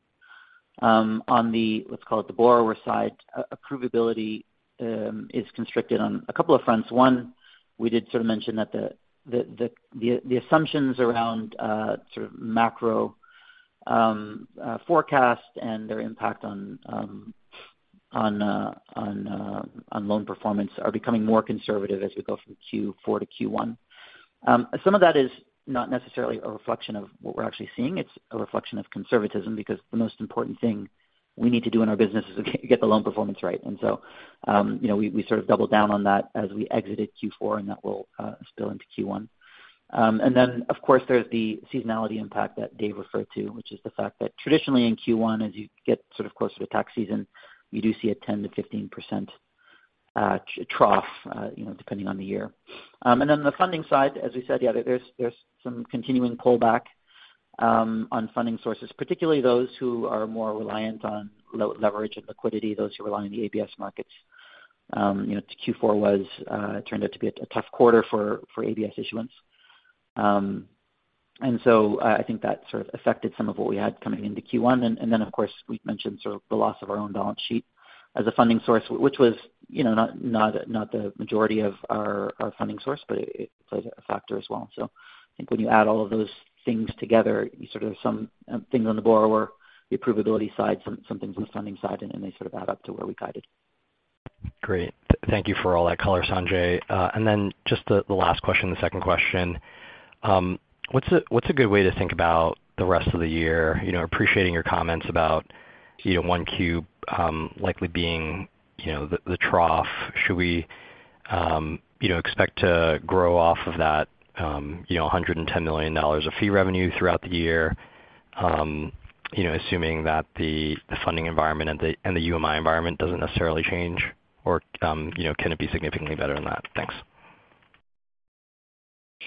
On the, let's call it the borrower side, approvability, is constricted on a couple of fronts. One, we did sort of mention that the assumptions around sort of macro forecast and their impact on loan performance are becoming more conservative as we go from Q4 to Q1. Some of that is not necessarily a reflection of what we're actually seeing. It's a reflection of conservatism because the most important thing we need to do in our business is get the loan performance right. You know, we sort of doubled down on that as we exited Q4, and that will spill into Q1. Of course, there's the seasonality impact that Dave referred to, which is the fact that traditionally in Q1, as you get sort of closer to tax season, you do see a 10%-15% trough, you know, depending on the year. The funding side, as we said, yeah, there's some continuing pullback on funding sources, particularly those who are more reliant on leverage and liquidity, those who rely on the ABS markets. You know, Q4 was turned out to be a tough quarter for ABS issuance. I think that sort of affected some of what we had coming into Q1. Then of course, we've mentioned sort of the loss of our own balance sheet as a funding source, which was, you know, not the majority of our funding source, but it played a factor as well. I think when you add all of those things together, you sort of some things on the borrower, the approvability side, some things on the funding side, and they sort of add up to where we guided. Great. Thank you for all that color, Sanjay. Then just the last question, the second question. What's a, what's a good way to think about the rest of the year? You know, appreciating your comments about, you know, 1Q, likely being, you know, the trough. Should we, you know, expect to grow off of that, you know, $110 million of fee revenue throughout the year, you know, assuming that the funding environment and the, and the UMI environment doesn't necessarily change or, you know, can it be significantly better than that? Thanks.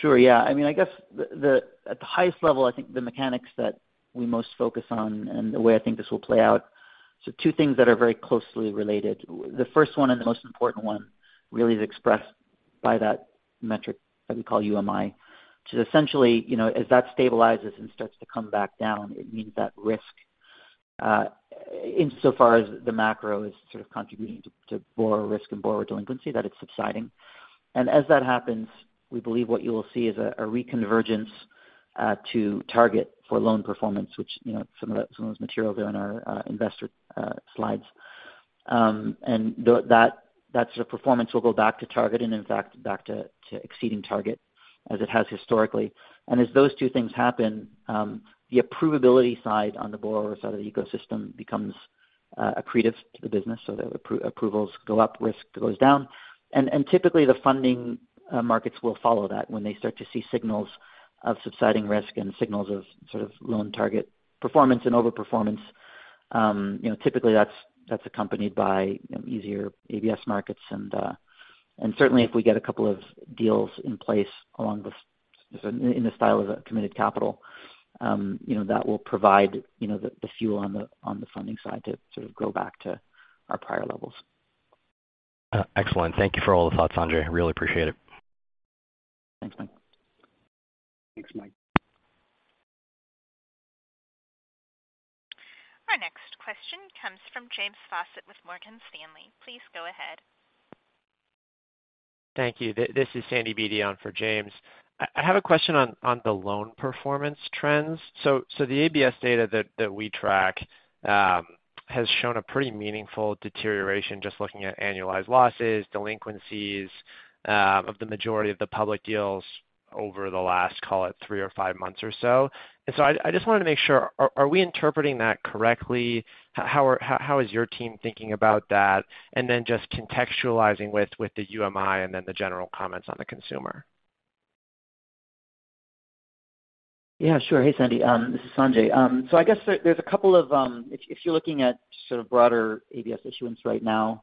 Sure. Yeah. I mean, I guess at the highest level, I think the mechanics that we most focus on and the way I think this will play out. Two things that are very closely related. The first one and the most important one really is expressed by that metric that we call UMI, which is essentially, you know, as that stabilizes and starts to come back down, it means that risk, insofar as the macro is sort of contributing to borrower risk and borrower delinquency that it's subsiding. As that happens, we believe what you'll see is a reconvergence to target for loan performance, which, you know, some of those materials are in our investor slides. That, that sort of performance will go back to target and in fact back to exceeding target as it has historically. As those two things happen, the approvability side on the borrower side of the ecosystem becomes accretive to the business so that approvals go up, risk goes down. Typically the funding markets will follow that when they start to see signals of subsiding risk and signals of sort of loan target performance and overperformance. You know, typically that's accompanied by, you know, easier ABS markets and certainly if we get a couple of deals in place along in the style of a committed capital, you know, that will provide, you know, the fuel on the funding side to sort of go back to our prior levels. Excellent. Thank you for all the thoughts, Sanjay. Really appreciate it. Thanks, Mike. Thanks, Mike. Our next question comes from James Faucette with Morgan Stanley. Please go ahead. Thank you. This is Sandy Beatty for James. I have a question on the loan performance trends. The ABS data that we track, has shown a pretty meaningful deterioration just looking at annualized losses, delinquencies, of the majority of the public deals over the last, call it three or five months or so. I just wanna make sure, are we interpreting that correctly? How is your team thinking about that? Just contextualizing with the UMI and then the general comments on the consumer. Yeah, sure. Hey, Sandy. This is Sanjay. I guess there's a couple of, if you're looking at sort of broader ABS issuance right now.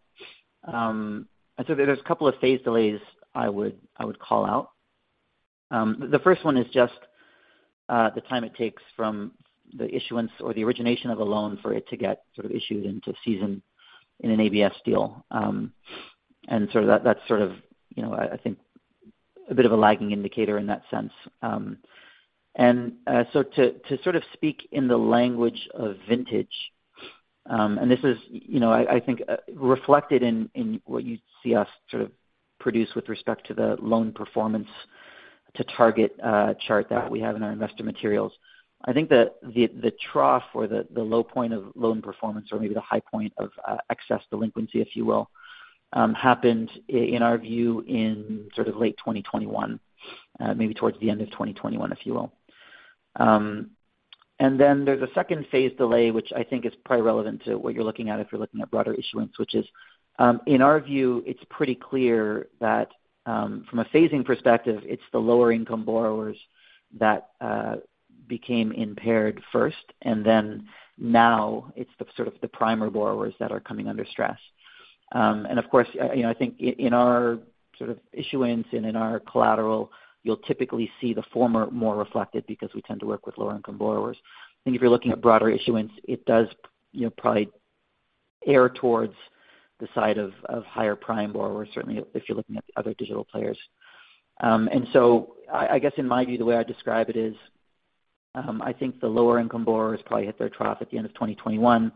There's a couple of phase delays I would call out. The first one is just the time it takes from the issuance or the origination of a loan for it to get sort of issued into season in an ABS deal. Sort of that's sort of, you know, I think a bit of a lagging indicator in that sense. To sort of speak in the language of vintage, and this is, you know, I think reflected in what you see us sort of produce with respect to the loan performance to target chart that we have in our investor materials. I think that the trough or the low point of loan performance or maybe the high point of excess delinquency, if you will, happened in our view in sort of late 2021, maybe towards the end of 2021, if you will. Then there's a second phase delay, which I think is probably relevant to what you're looking at if you're looking at broader issuance, which is, in our view, it's pretty clear that, from a phasing perspective, it's the lower income borrowers that became impaired first then now it's the sort of the prime borrowers that are coming under stress. Of course, you know, I think in our sort of issuance and in our collateral, you'll typically see the former more reflected because we tend to work with lower income borrowers. I think if you're looking at broader issuance, it does, you know, probably err towards the side of higher prime borrowers, certainly if you're looking at the other digital players. I guess in my view, the way I describe it is, I think the lower income borrowers probably hit their trough at the end of 2021.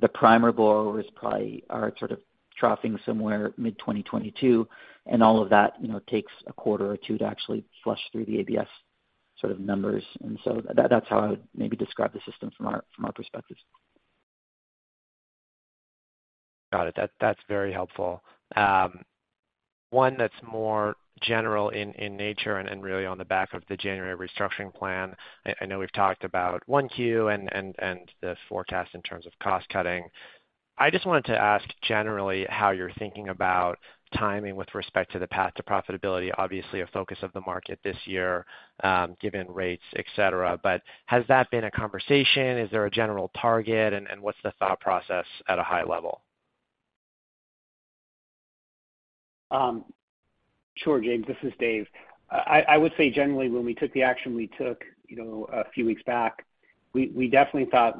The prime borrowers probably are sort of troughing somewhere mid-2022, and all of that, you know, takes a quarter or two to actually flush through the ABS sort of numbers. That, that's how I would maybe describe the system from our, from our perspective. Got it. That's very helpful. One that's more general in nature and really on the back of the January restructuring plan. I know we've talked about 1Q and the forecast in terms of cost cutting. I just wanted to ask generally how you're thinking about timing with respect to the path to profitability, obviously a focus of the market this year, given rates, et cetera. Has that been a conversation? Is there a general target? What's the thought process at a high level? Sure, James. This is Dave. I would say generally when we took the action we took, you know, a few weeks back, we definitely thought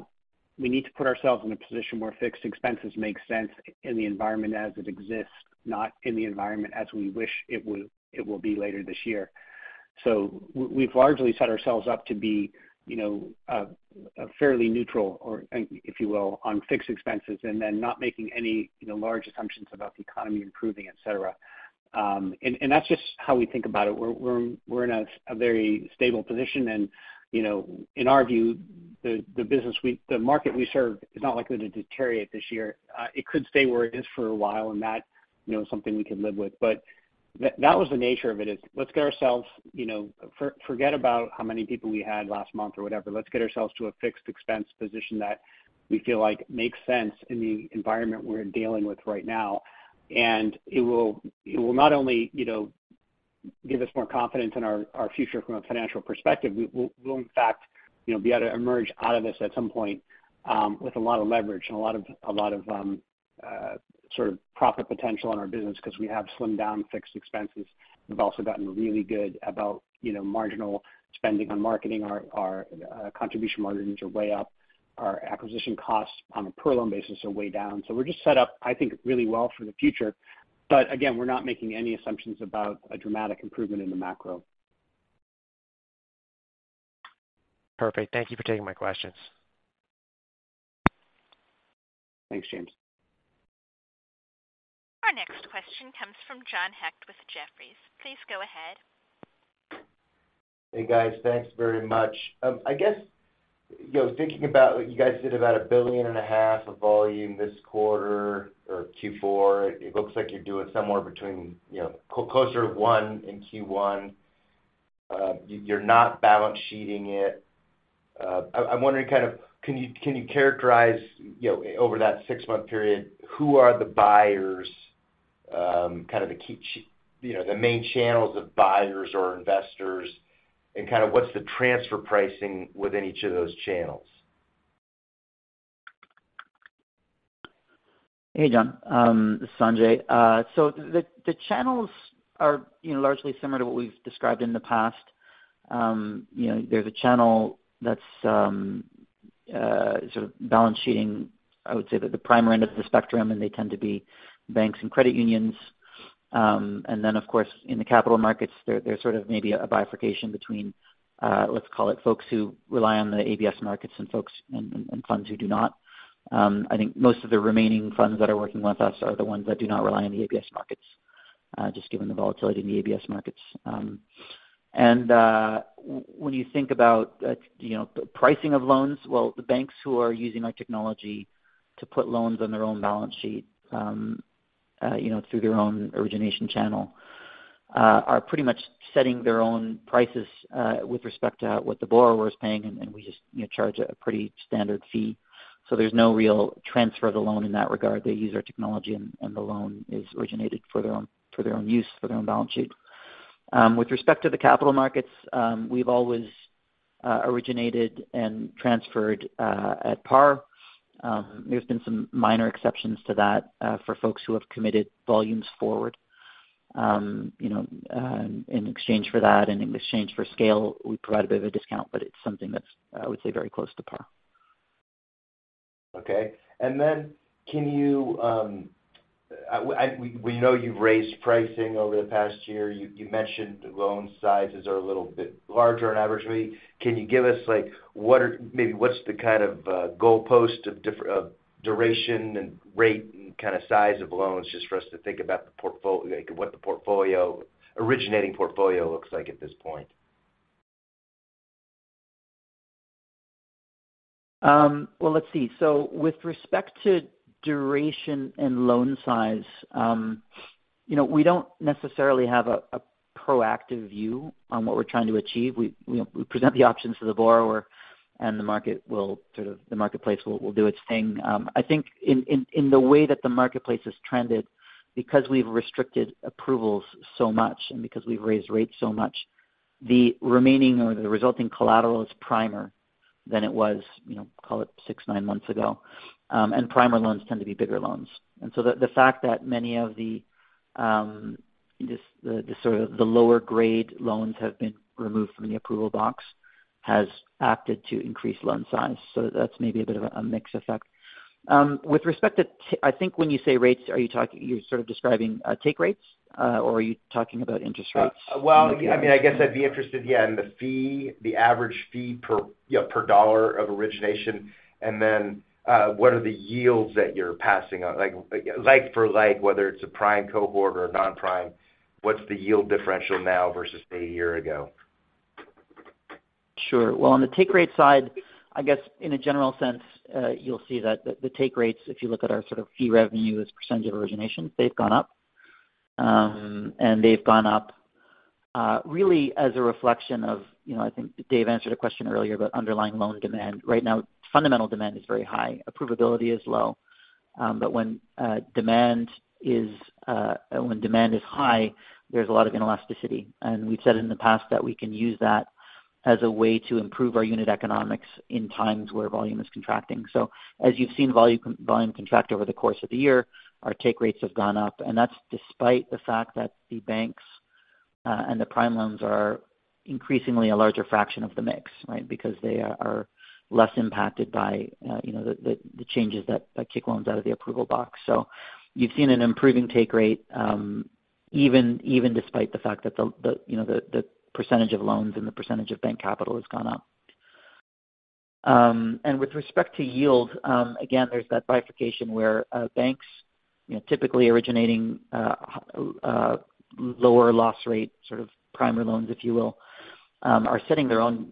we need to put ourselves in a position where fixed expenses make sense in the environment as it exists, not in the environment as we wish it will be later this year. We've largely set ourselves up to be, you know, fairly neutral or, if you will, on fixed expenses and then not making any, you know, large assumptions about the economy improving, et cetera. That's just how we think about it. We're in a very stable position and, you know, in our view, the market we serve is not likely to deteriorate this year. It could stay where it is for a while, and that, you know, is something we could live with. That was the nature of it is let's get ourselves, you know, forget about how many people we had last month or whatever. Let's get ourselves to a fixed expense position that we feel like makes sense in the environment we're dealing with right now. It will not only, you know, give us more confidence in our future from a financial perspective. We, we'll in fact, you know, be able to emerge out of this at some point, with a lot of leverage and a lot of sort of profit potential in our business 'cause we have slimmed down fixed expenses. We've also gotten really good about, you know, marginal spending on marketing. Our contribution margins are way up. Our acquisition costs on a per loan basis are way down. We're just set up, I think, really well for the future. Again, we're not making any assumptions about a dramatic improvement in the macro. Perfect. Thank you for taking my questions. Thanks, James. Our next question comes from John Hecht with Jefferies. Please go ahead. Hey, guys. Thanks very much. I guess, you know, thinking about what you guys did about $1.5 billion of volume this quarter or Q4, it looks like you're doing somewhere between, you know, closer to $1 billion in Q1. You're not balance sheeting it. I'm wondering kind of can you characterize, you know, over that 6-month period, who are the buyers, kind of the key, you know, the main channels of buyers or investors, and kind of what's the transfer pricing within each of those channels? Hey, John. This is Sanjay. The channels are, you know, largely similar to what we've described in the past. You know, there's a channel that's sort of balance sheeting, I would say, at the primer end of the spectrum, and they tend to be banks and credit unions. Then of course, in the capital markets there's sort of maybe a bifurcation between, let's call it folks who rely on the ABS markets and folks and funds who do not. I think most of the remaining funds that are working with us are the ones that do not rely on the ABS markets, just given the volatility in the ABS markets. When you think about, you know, the pricing of loans, well, the banks who are using our technology to put loans on their own balance sheet, you know, through their own origination channel, are pretty much setting their own prices, with respect to what the borrower is paying, and we just, you know, charge a pretty standard fee. There's no real transfer of the loan in that regard. They use our technology and the loan is originated for their own, for their own use, for their own balance sheet. With respect to the capital markets, we've always originated and transferred at par. There's been some minor exceptions to that for folks who have committed volumes forward. You know, in exchange for that and in exchange for scale, we provide a bit of a discount, but it's something that's, I would say, very close to par. Okay. We know you've raised pricing over the past year. You mentioned the loan sizes are a little bit larger on average. Can you give us, like, maybe what's the kind of goalpost of duration and rate and kinda size of loans just for us to think about like what the portfolio, originating portfolio looks like at this point? Well, let's see. With respect to duration and loan size, you know, we don't necessarily have a proactive view on what we're trying to achieve. We, you know, we present the options to the borrower, and the market will sort of... The marketplace will do its thing. I think in the way that the marketplace has trended because we've restricted approvals so much and because we've raised rates so much, the remaining or the resulting collateral is primer than it was, you know, call it six, nine months ago. Primer loans tend to be bigger loans. The fact that many of the sort of the lower grade loans have been removed from the approval box has acted to increase loan size. That's maybe a bit of a mixed effect. With respect to I think when you say rates, you're sort of describing, take rates, or are you talking about interest rates? Well, I mean, I guess I'd be interested, yeah, in the fee, the average fee per, you know, per dollar of origination. What are the yields that you're passing on? Like for like, whether it's a prime cohort or a non-prime, what's the yield differential now versus say a year ago? Sure. Well, on the take rate side, I guess in a general sense, you'll see that the take rates, if you look at our sort of fee revenue as % of origination, they've gone up. They've gone up, really as a reflection of, you know, I think Dave answered a question earlier about underlying loan demand. Right now, fundamental demand is very high. Approvability is low. When demand is high, there's a lot of inelasticity. We've said in the past that we can use that as a way to improve our unit economics in times where volume is contracting. As you've seen volume contract over the course of the year, our take rates have gone up, and that's despite the fact that the banks, and the prime loans are increasingly a larger fraction of the mix, right? Because they are less impacted by, you know, the, the changes that kick loans out of the approval box. You've seen an improving take rate, even despite the fact that the, you know, the percentage of loans and the percentage of bank capital has gone up. With respect to yield, again, there's that bifurcation where banks, you know, typically originating lower loss rate sort of primer loans, if you will, are setting their own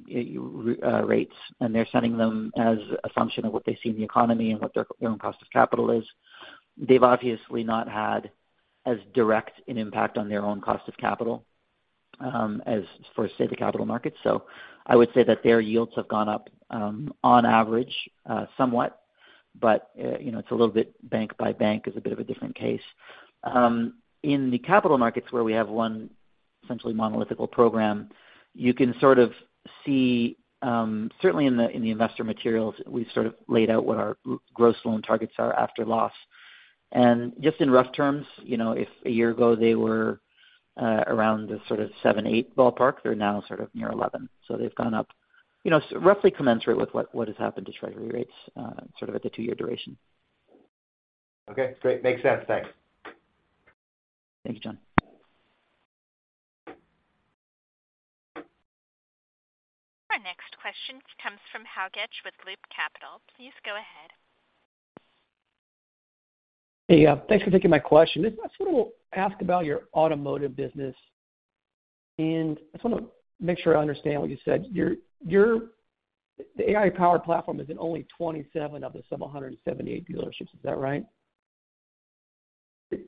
rates, and they're setting them as assumption of what they see in the economy and what their own cost of capital is. They've obviously not had as direct an impact on their own cost of capital, as for, say, the capital markets. I would say that their yields have gone up, on average, somewhat, but, you know, it's a little bit bank by bank is a bit of a different case. In the capital markets where we have one essentially monolithic program, you can sort of see, certainly in the investor materials, we've sort of laid out what our gross loan targets are after loss. Just in rough terms, you know, if a year ago they were around the sort of seven, eight ballpark, they're now sort of near 11. They've gone up, you know, roughly commensurate with what has happened to treasury rates, sort of at the two-year duration. Okay, great. Makes sense. Thanks. Thanks, John. Our next question comes from Hal Goetsch with Loop Capital. Please go ahead. Hey, thanks for taking my question. I just wanna ask about your automotive business. I just wanna make sure I understand what you said. Your... The AI-powered platform is in only 27 of the some 178 dealerships. Is that right?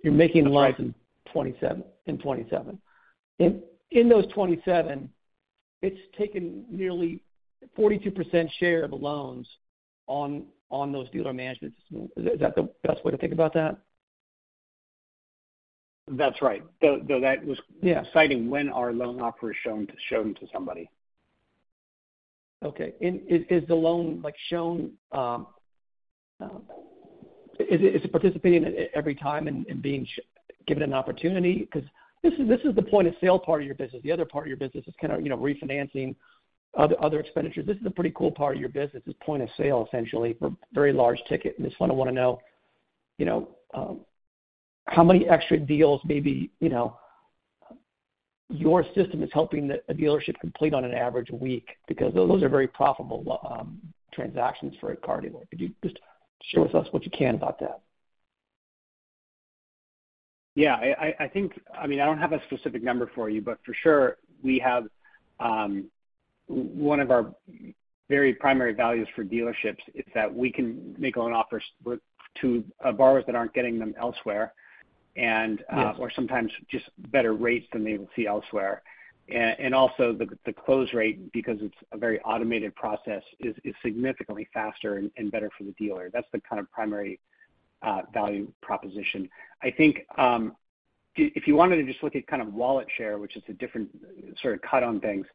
You're making loans in 27. In those 27, it's taken nearly 42% share of the loans on those dealer management systems. Is that the best way to think about that? That's right. Though that was- Yeah. citing when our loan offer is shown to somebody. Okay. Is the loan like shown? Is it participating every time and being given an opportunity? 'Cause this is the point-of-sale part of your business. The other part of your business is kinda, you know, refinancing other expenditures. This is a pretty cool part of your business, this point-of-sale essentially for very large ticket. I just wanna know, you know, how many extra deals maybe, you know, your system is helping the, a dealership complete on an average week because those are very profitable transactions for a car dealer. Could you just share with us what you can about that? Yeah. I think, I mean, I don't have a specific number for you, but for sure we have. One of our very primary values for dealerships is that we can make loan offers to borrowers that aren't getting them elsewhere. Yes. or sometimes just better rates than they would see elsewhere. Also, the close rate, because it's a very automated process, is significantly faster and better for the dealer. That's the kind of primary value proposition. I think if you wanted to just look at kind of wallet share, which is a different sort of cut on things,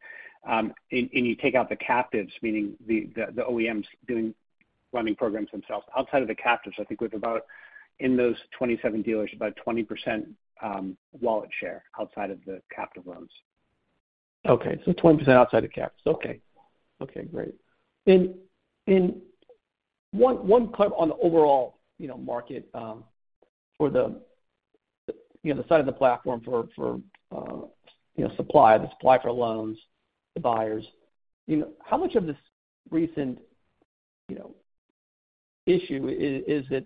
and you take out the captives, meaning the OEMs running programs themselves. Outside of the captives, I think we've about, in those 27 dealers, about 20% wallet share outside of the captive loans. 20% outside of captives. Okay. Okay, great. In one part on the overall, you know, market, for the, you know, the side of the platform for, you know, supply, the supply for loans, the buyers. You know, how much of this recent, you know, issue is that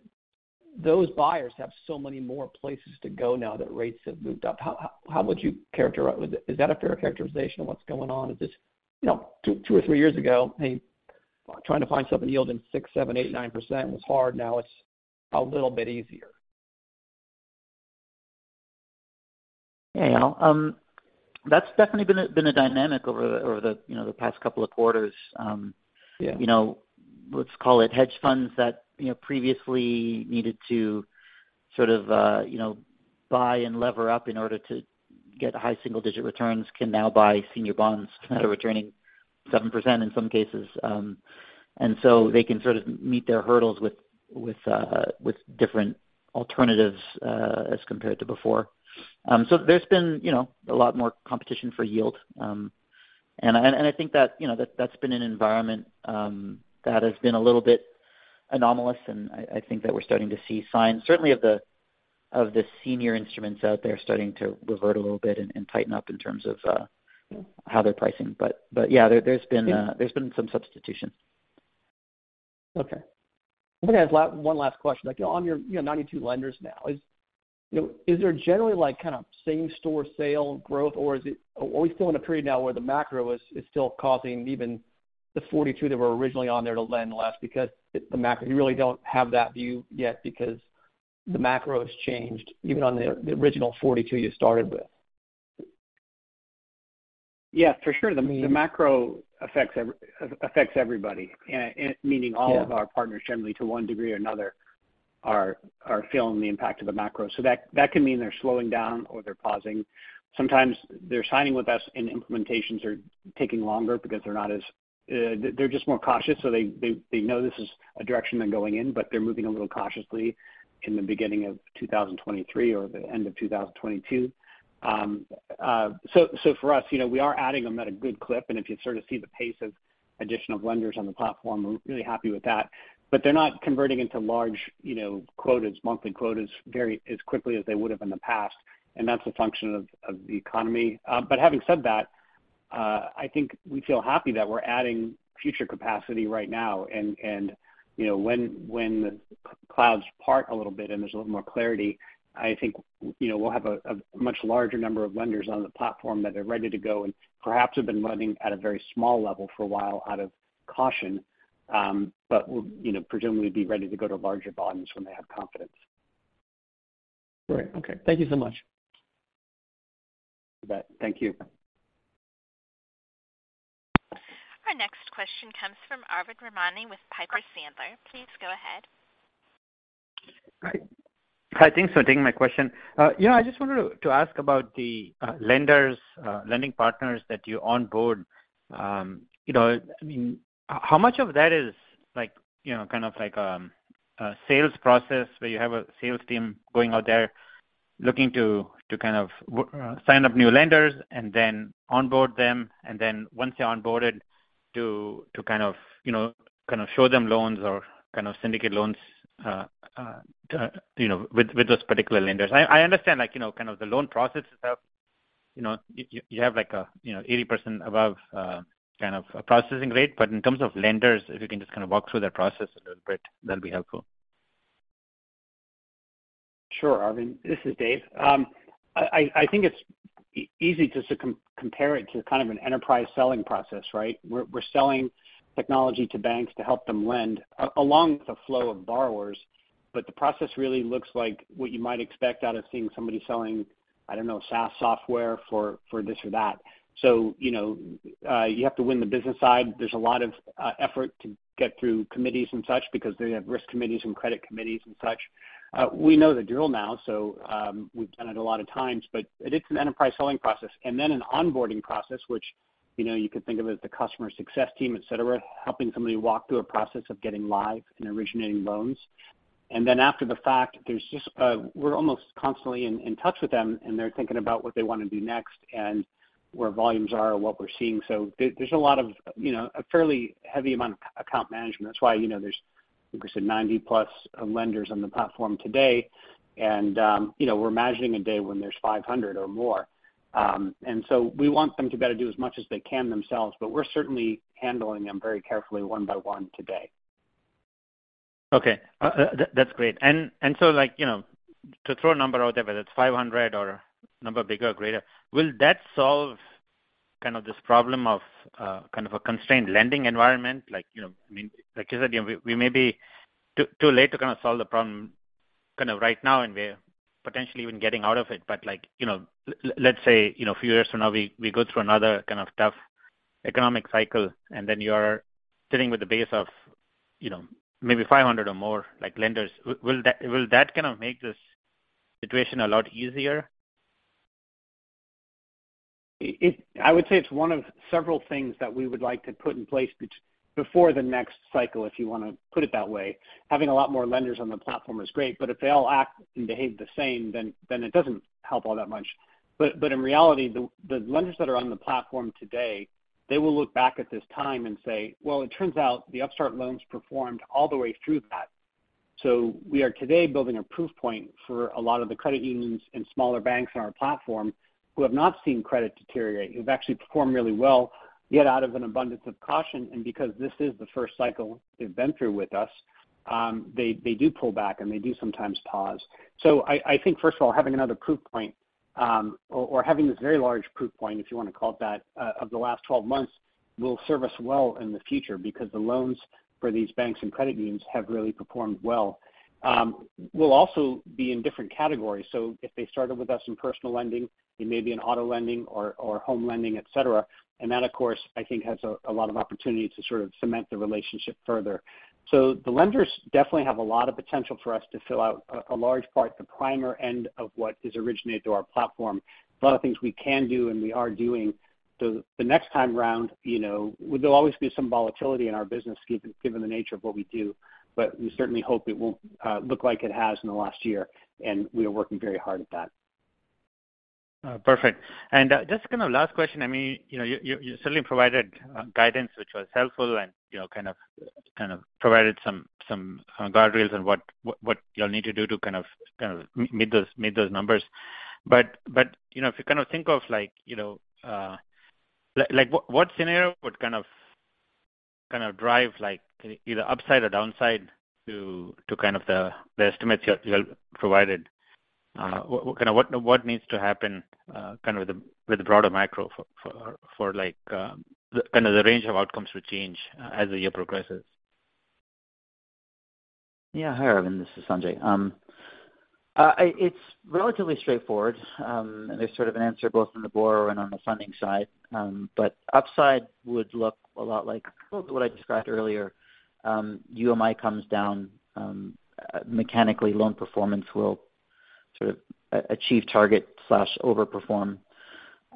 those buyers have so many more places to go now that rates have moved up. How would you characterize? Is that a fair characterization of what's going on? Is this, you know, 2 or 3 years ago, hey, trying to find something yielding 6%, 7%, 8%, 9% was hard. Now it's a little bit easier. Yeah. That's definitely been a dynamic over the, you know, the past couple of quarters. Yeah. You know, let's call it hedge funds that, you know, previously needed to sort of, you know, buy and lever up in order to get high single-digit returns can now buy senior bonds that are returning 7% in some cases. They can sort of meet their hurdles with different alternatives, as compared to before. There's been, you know, a lot more competition for yield. I think that, you know, that's been an environment that has been a little bit anomalous. I think that we're starting to see signs certainly of the senior instruments out there starting to revert a little bit and tighten up in terms of how they're pricing. Yeah, there's been some substitution. Okay. I think I have one last question. Like on your, you know, 92 lenders now, is, you know, is there generally like kinda same store sale growth, or are we still in a period now where the macro is still causing even the 42 that were originally on there to lend less because it's the macro? You really don't have that view yet because the macro has changed even on the original 42 you started with. Yeah, for sure. The macro affects everybody. Meaning all of our partners generally to one degree or another are feeling the impact of the macro. That can mean they're slowing down or they're pausing. Sometimes they're signing with us and implementations are taking longer because they're not as. They're just more cautious. They know this is a direction they're going in, but they're moving a little cautiously in the beginning of 2023 or the end of 2022. For us, you know, we are adding them at a good clip, and if you sort of see the pace of additional lenders on the platform, we're really happy with that. They're not converting into large, you know, quotas, monthly quotas very, as quickly as they would've in the past, and that's a function of the economy. Having said that I think we feel happy that we're adding future capacity right now. You know, when the clouds part a little bit and there's a little more clarity, I think, you know, we'll have a much larger number of lenders on the platform that are ready to go and perhaps have been running at a very small level for a while out of caution. We'll, you know, presumably be ready to go to larger volumes when they have confidence. Great. Okay. Thank you so much. You bet. Thank you. Our next question comes from Arvind Ramnani with Piper Sandler. Please go ahead. Hi. Hi, thanks for taking my question. Yeah, I just wanted to ask about the lenders, lending partners that you onboard. You know, I mean, how much of that is like, you know, kind of like a sales process where you have a sales team going out there looking to sign up new lenders and then onboard them, and then once they're onboarded to kind of, you know, kind of show them loans or kind of syndicate loans, you know, with those particular lenders? I understand, like, you know, kind of the loan processes have, you know, you have like a, you know, 80% above kind of a processing rate. In terms of lenders, if you can just kinda walk through that process a little bit, that'd be helpful. Sure, Arvind. This is Dave. I think it's easy to compare it to kind of an enterprise selling process, right? We're selling technology to banks to help them lend along with the flow of borrowers. The process really looks like what you might expect out of seeing somebody selling, I don't know, SaaS software for this or that. you know, you have to win the business side. There's a lot of effort to get through committees and such because they have risk committees and credit committees and such. We know the drill now, so we've done it a lot of times, but it is an enterprise selling process. Then an onboarding process, which, you know, you could think of as the customer success team, et cetera, helping somebody walk through a process of getting live and originating loans. After the fact, there's just, we're almost constantly in touch with them, and they're thinking about what they wanna do next and where volumes are and what we're seeing. There's a lot of, you know, a fairly heavy amount of account management. That's why, you know, there's, I think we said 90+ lenders on the platform today. You know, we're imagining a day when there's 500 or more. We want them to be able to do as much as they can themselves, but we're certainly handling them very carefully one by one today. Okay. That's great. Like, you know, to throw a number out there, whether it's 500 or number bigger or greater, will that solve kind of this problem of, kind of a constrained lending environment? Like, you know, I mean, like you said, you know, we may be too late to kinda solve the problem kinda right now, and we're potentially even getting out of it. Like, you know, let's say, you know, a few years from now, we go through another kind of tough economic cycle, and then you're sitting with a base of, you know, maybe 500 or more, like lenders. Will that, will that kind of make this situation a lot easier? I would say it's one of several things that we would like to put in place before the next cycle, if you wanna put it that way. Having a lot more lenders on the platform is great, but if they all act and behave the same, then it doesn't help all that much. In reality, the lenders that are on the platform today, they will look back at this time and say, "Well, it turns out the Upstart loans performed all the way through that." We are today building a proof point for a lot of the credit unions and smaller banks on our platform who have not seen credit deteriorate, who've actually performed really well, yet out of an abundance of caution and because this is the first cycle they've been through with us, they do pull back and they do sometimes pause. I think, first of all, having another proof point, or having this very large proof point, if you wanna call it that, of the last 12 months, will serve us well in the future because the loans for these banks and credit unions have really performed well. We'll also be in different categories. If they started with us in personal lending, it may be in auto lending or home lending, et cetera. That, of course, I think has a lot of opportunity to sort of cement the relationship further. The lenders definitely have a lot of potential for us to fill out a large part, the primer end of what is originated through our platform. A lot of things we can do and we are doing. The next time round, you know, there'll always be some volatility in our business given the nature of what we do, but we certainly hope it won't look like it has in the last year, and we are working very hard at that. Perfect. Just kinda last question? I mean, you know, you certainly provided guidance, which was helpful and, you know, kind of provided some guardrails on what you'll need to do to kind of meet those, meet those numbers. You know, if you kind of think of like, you know, like what scenario would kind of drive like either upside or downside to kind of the estimates you provided? kind of what needs to happen, kind of with the broader macro for like, kind of the range of outcomes to change as the year progresses? Yeah. Hi, Arvind. This is Sanjay. It's relatively straightforward. There's sort of an answer both on the borrower and on the funding side. Upside would look a lot like sort of what I described earlier. UMI comes down, mechanically loan performance will sort of achieve target slash overperform.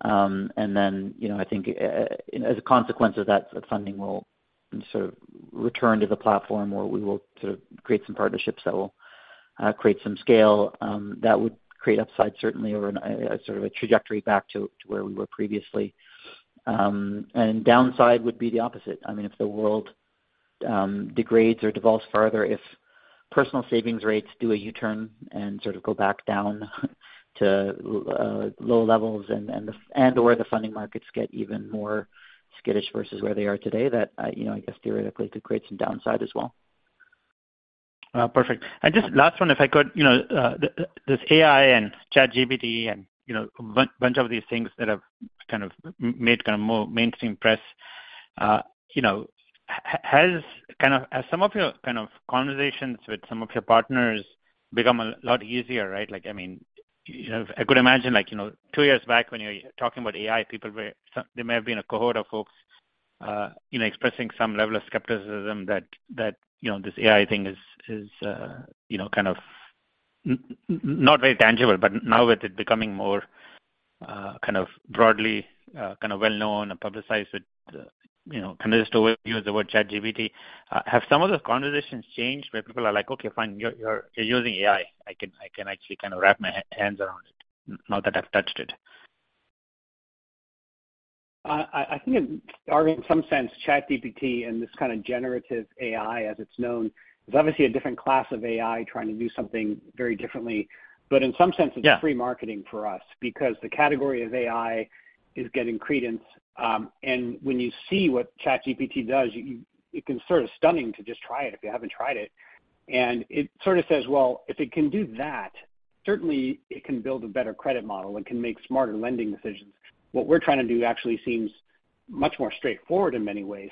Then, you know, I think as a consequence of that, the funding will sort of return to the platform where we will sort of create some partnerships that will create some scale that would create upside certainly or a sort of a trajectory back to where we were previously. Downside would be the opposite. I mean, if the world degrades or devolves further. Personal savings rates do a U-turn and sort of go back down to low levels and or the funding markets get even more skittish versus where they are today that, you know, I guess theoretically could create some downside as well. Perfect. Just last one, if I could, you know, this AI and ChatGPT and, you know, bunch of these things that have kind of made kind of more mainstream press, you know, has kind of... Have some of your kind of conversations with some of your partners become a lot easier, right? Like, I mean, you know, two years back when you were talking about AI, people were there may have been a cohort of folks, you know, expressing some level of skepticism that, you know, this AI thing is, you know, kind of not very tangible. Now with it becoming more, kind of broadly, kind of well-known and publicized with, you know, kind of just overuse the word ChatGPT, have some of those conversations changed where people are like, "Okay, fine. You're, you're using AI. I can, I can actually kind of wrap my hands around it now that I've touched it. I think in some sense, ChatGPT and this kinda generative AI as it's known, is obviously a different class of AI trying to do something very differently. In some sense. Yeah. It's free marketing for us because the category of AI is getting credence. When you see what ChatGPT does, you, it can sort of stunning to just try it if you haven't tried it. It sort of says, well, if it can do that, certainly it can build a better credit model and can make smarter lending decisions. What we're trying to do actually seems much more straightforward in many ways.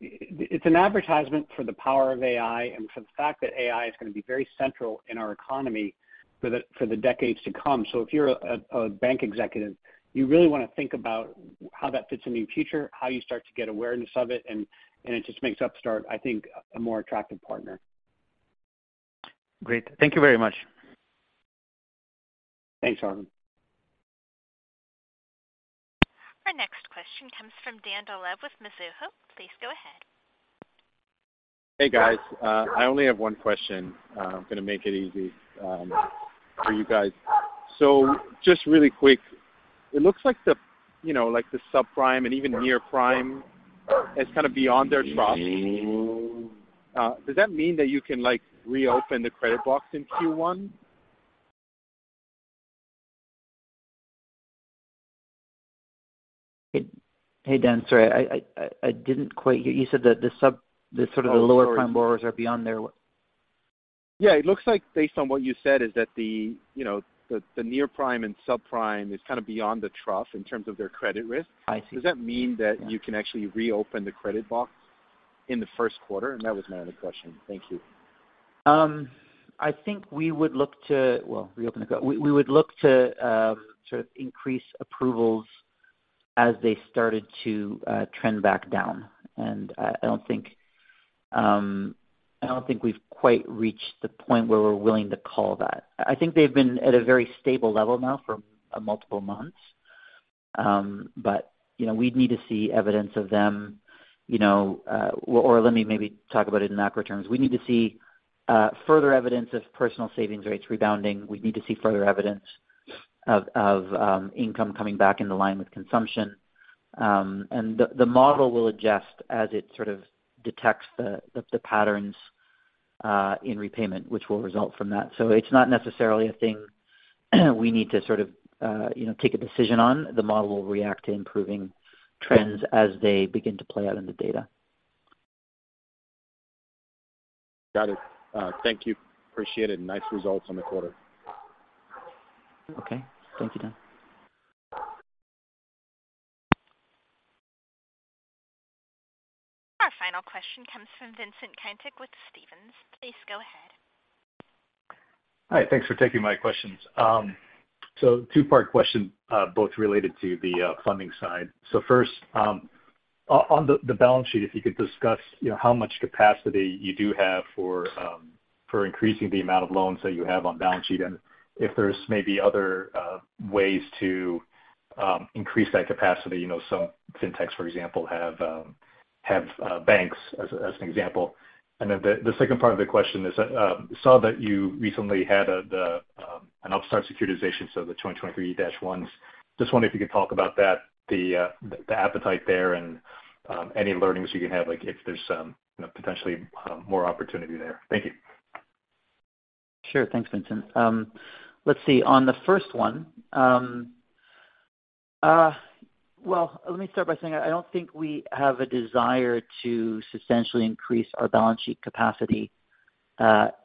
It's an advertisement for the power of AI and for the fact that AI is gonna be very central in our economy for the decades to come. If you're a bank executive, you really wanna think about how that fits the new future, how you start to get awareness of it, and it just makes Upstart, I think, a more attractive partner. Great. Thank you very much. Thanks, Arvind. Our next question comes from Dan Dolev with Mizuho. Please go ahead. Hey, guys. I only have one question. I'm gonna make it easy for you guys. Just really quick, it looks like the, you know, like, the subprime and even near prime is kind of beyond their trough. Does that mean that you can, like, reopen the credit box in Q1? Hey, Dan. Sorry, I didn't quite hear. You said that the sort of the lower prime borrowers are beyond their what? Yeah. It looks like based on what you said is that the, you know, the near prime and subprime is kind of beyond the trough in terms of their credit risk. I see. Does that mean that you can actually reopen the credit box in the first quarter? That was my other question. Thank you. I think we would look to reopen the credit. We would look to sort of increase approvals as they started to trend back down. I don't think we've quite reached the point where we're willing to call that. I think they've been at a very stable level now for a multiple months. You know, we'd need to see evidence of them, you know. Let me maybe talk about it in macro terms. We need to see further evidence of personal savings rates rebounding. We need to see further evidence of income coming back into line with consumption. The model will adjust as it sort of detects the patterns in repayment, which will result from that. It's not necessarily a thing we need to sort of, you know, take a decision on. The model will react to improving trends as they begin to play out in the data. Got it. Thank you. Appreciate it. Nice results on the quarter. Okay. Thank you, Dan. Our final question comes from Vincent Caintic with Stephens. Please go ahead. Hi. Thanks for taking my questions. Two-part question, both related to the funding side. First, on the balance sheet, if you could discuss, you know, how much capacity you do have for increasing the amount of loans that you have on balance sheet, and if there's maybe other ways to increase that capacity. You know, some fintechs, for example, have banks as an example. The second part of the question is, saw that you recently had an Upstart securitization, so the 2023-1. Just wondering if you could talk about that, the appetite there and any learnings you can have, like if there's some, you know, potentially more opportunity there. Thank you. Sure. Thanks, Vincent. Let's see. On the first one, well, let me start by saying I don't think we have a desire to substantially increase our balance sheet capacity,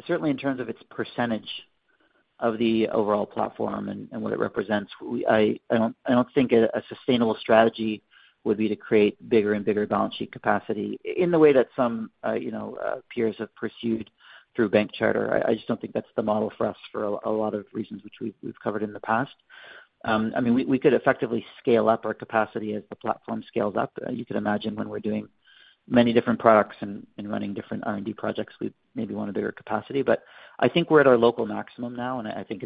certainly in terms of its percentage of the overall platform and what it represents. I don't think a sustainable strategy would be to create bigger and bigger balance sheet capacity in the way that some, you know, peers have pursued through bank charter. I just don't think that's the model for us for a lot of reasons which we've covered in the past. I mean, we could effectively scale up our capacity as the platform scales up. You could imagine when we're doing many different products and running different R&D projects with maybe want a bigger capacity. I think we're at our local maximum now, and I think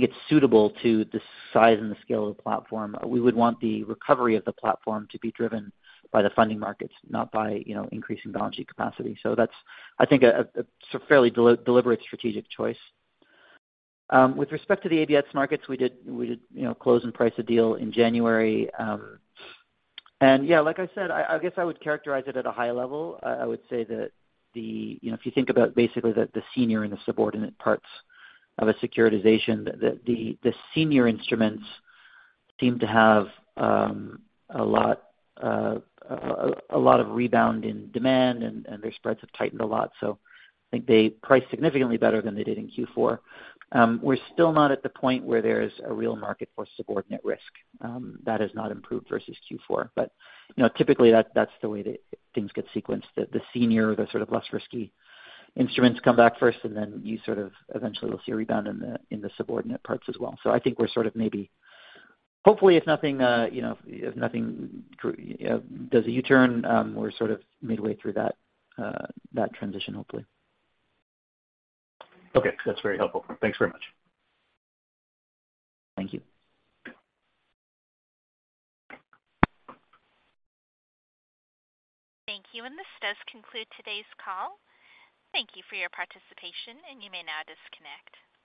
it's suitable to the size and the scale of the platform. We would want the recovery of the platform to be driven by the funding markets, not by, you know, increasing balance sheet capacity. That's I think a fairly deliberate strategic choice. With respect to the ABS markets, we did, you know, close and price a deal in January. Yeah, like I said, I guess I would characterize it at a high level. I would say that the... You know, if you think about basically the senior and the subordinate parts of a securitization, the, the senior instruments seem to have a lot, a lot of rebound in demand and their spreads have tightened a lot. I think they priced significantly better than they did in Q4. We're still not at the point where there's a real market for subordinate risk, that has not improved versus Q4. You know, typically that's the way that things get sequenced. The, the senior or the sort of less risky instruments come back first, and then you sort of eventually will see a rebound in the, in the subordinate parts as well. I think we're sort of maybe... Hopefully, if nothing, you know, if nothing does a U-turn, we're sort of midway through that transition, hopefully. Okay. That's very helpful. Thanks very much. Thank you. Thank you. This does conclude today's call. Thank you for your participation, and you may now disconnect.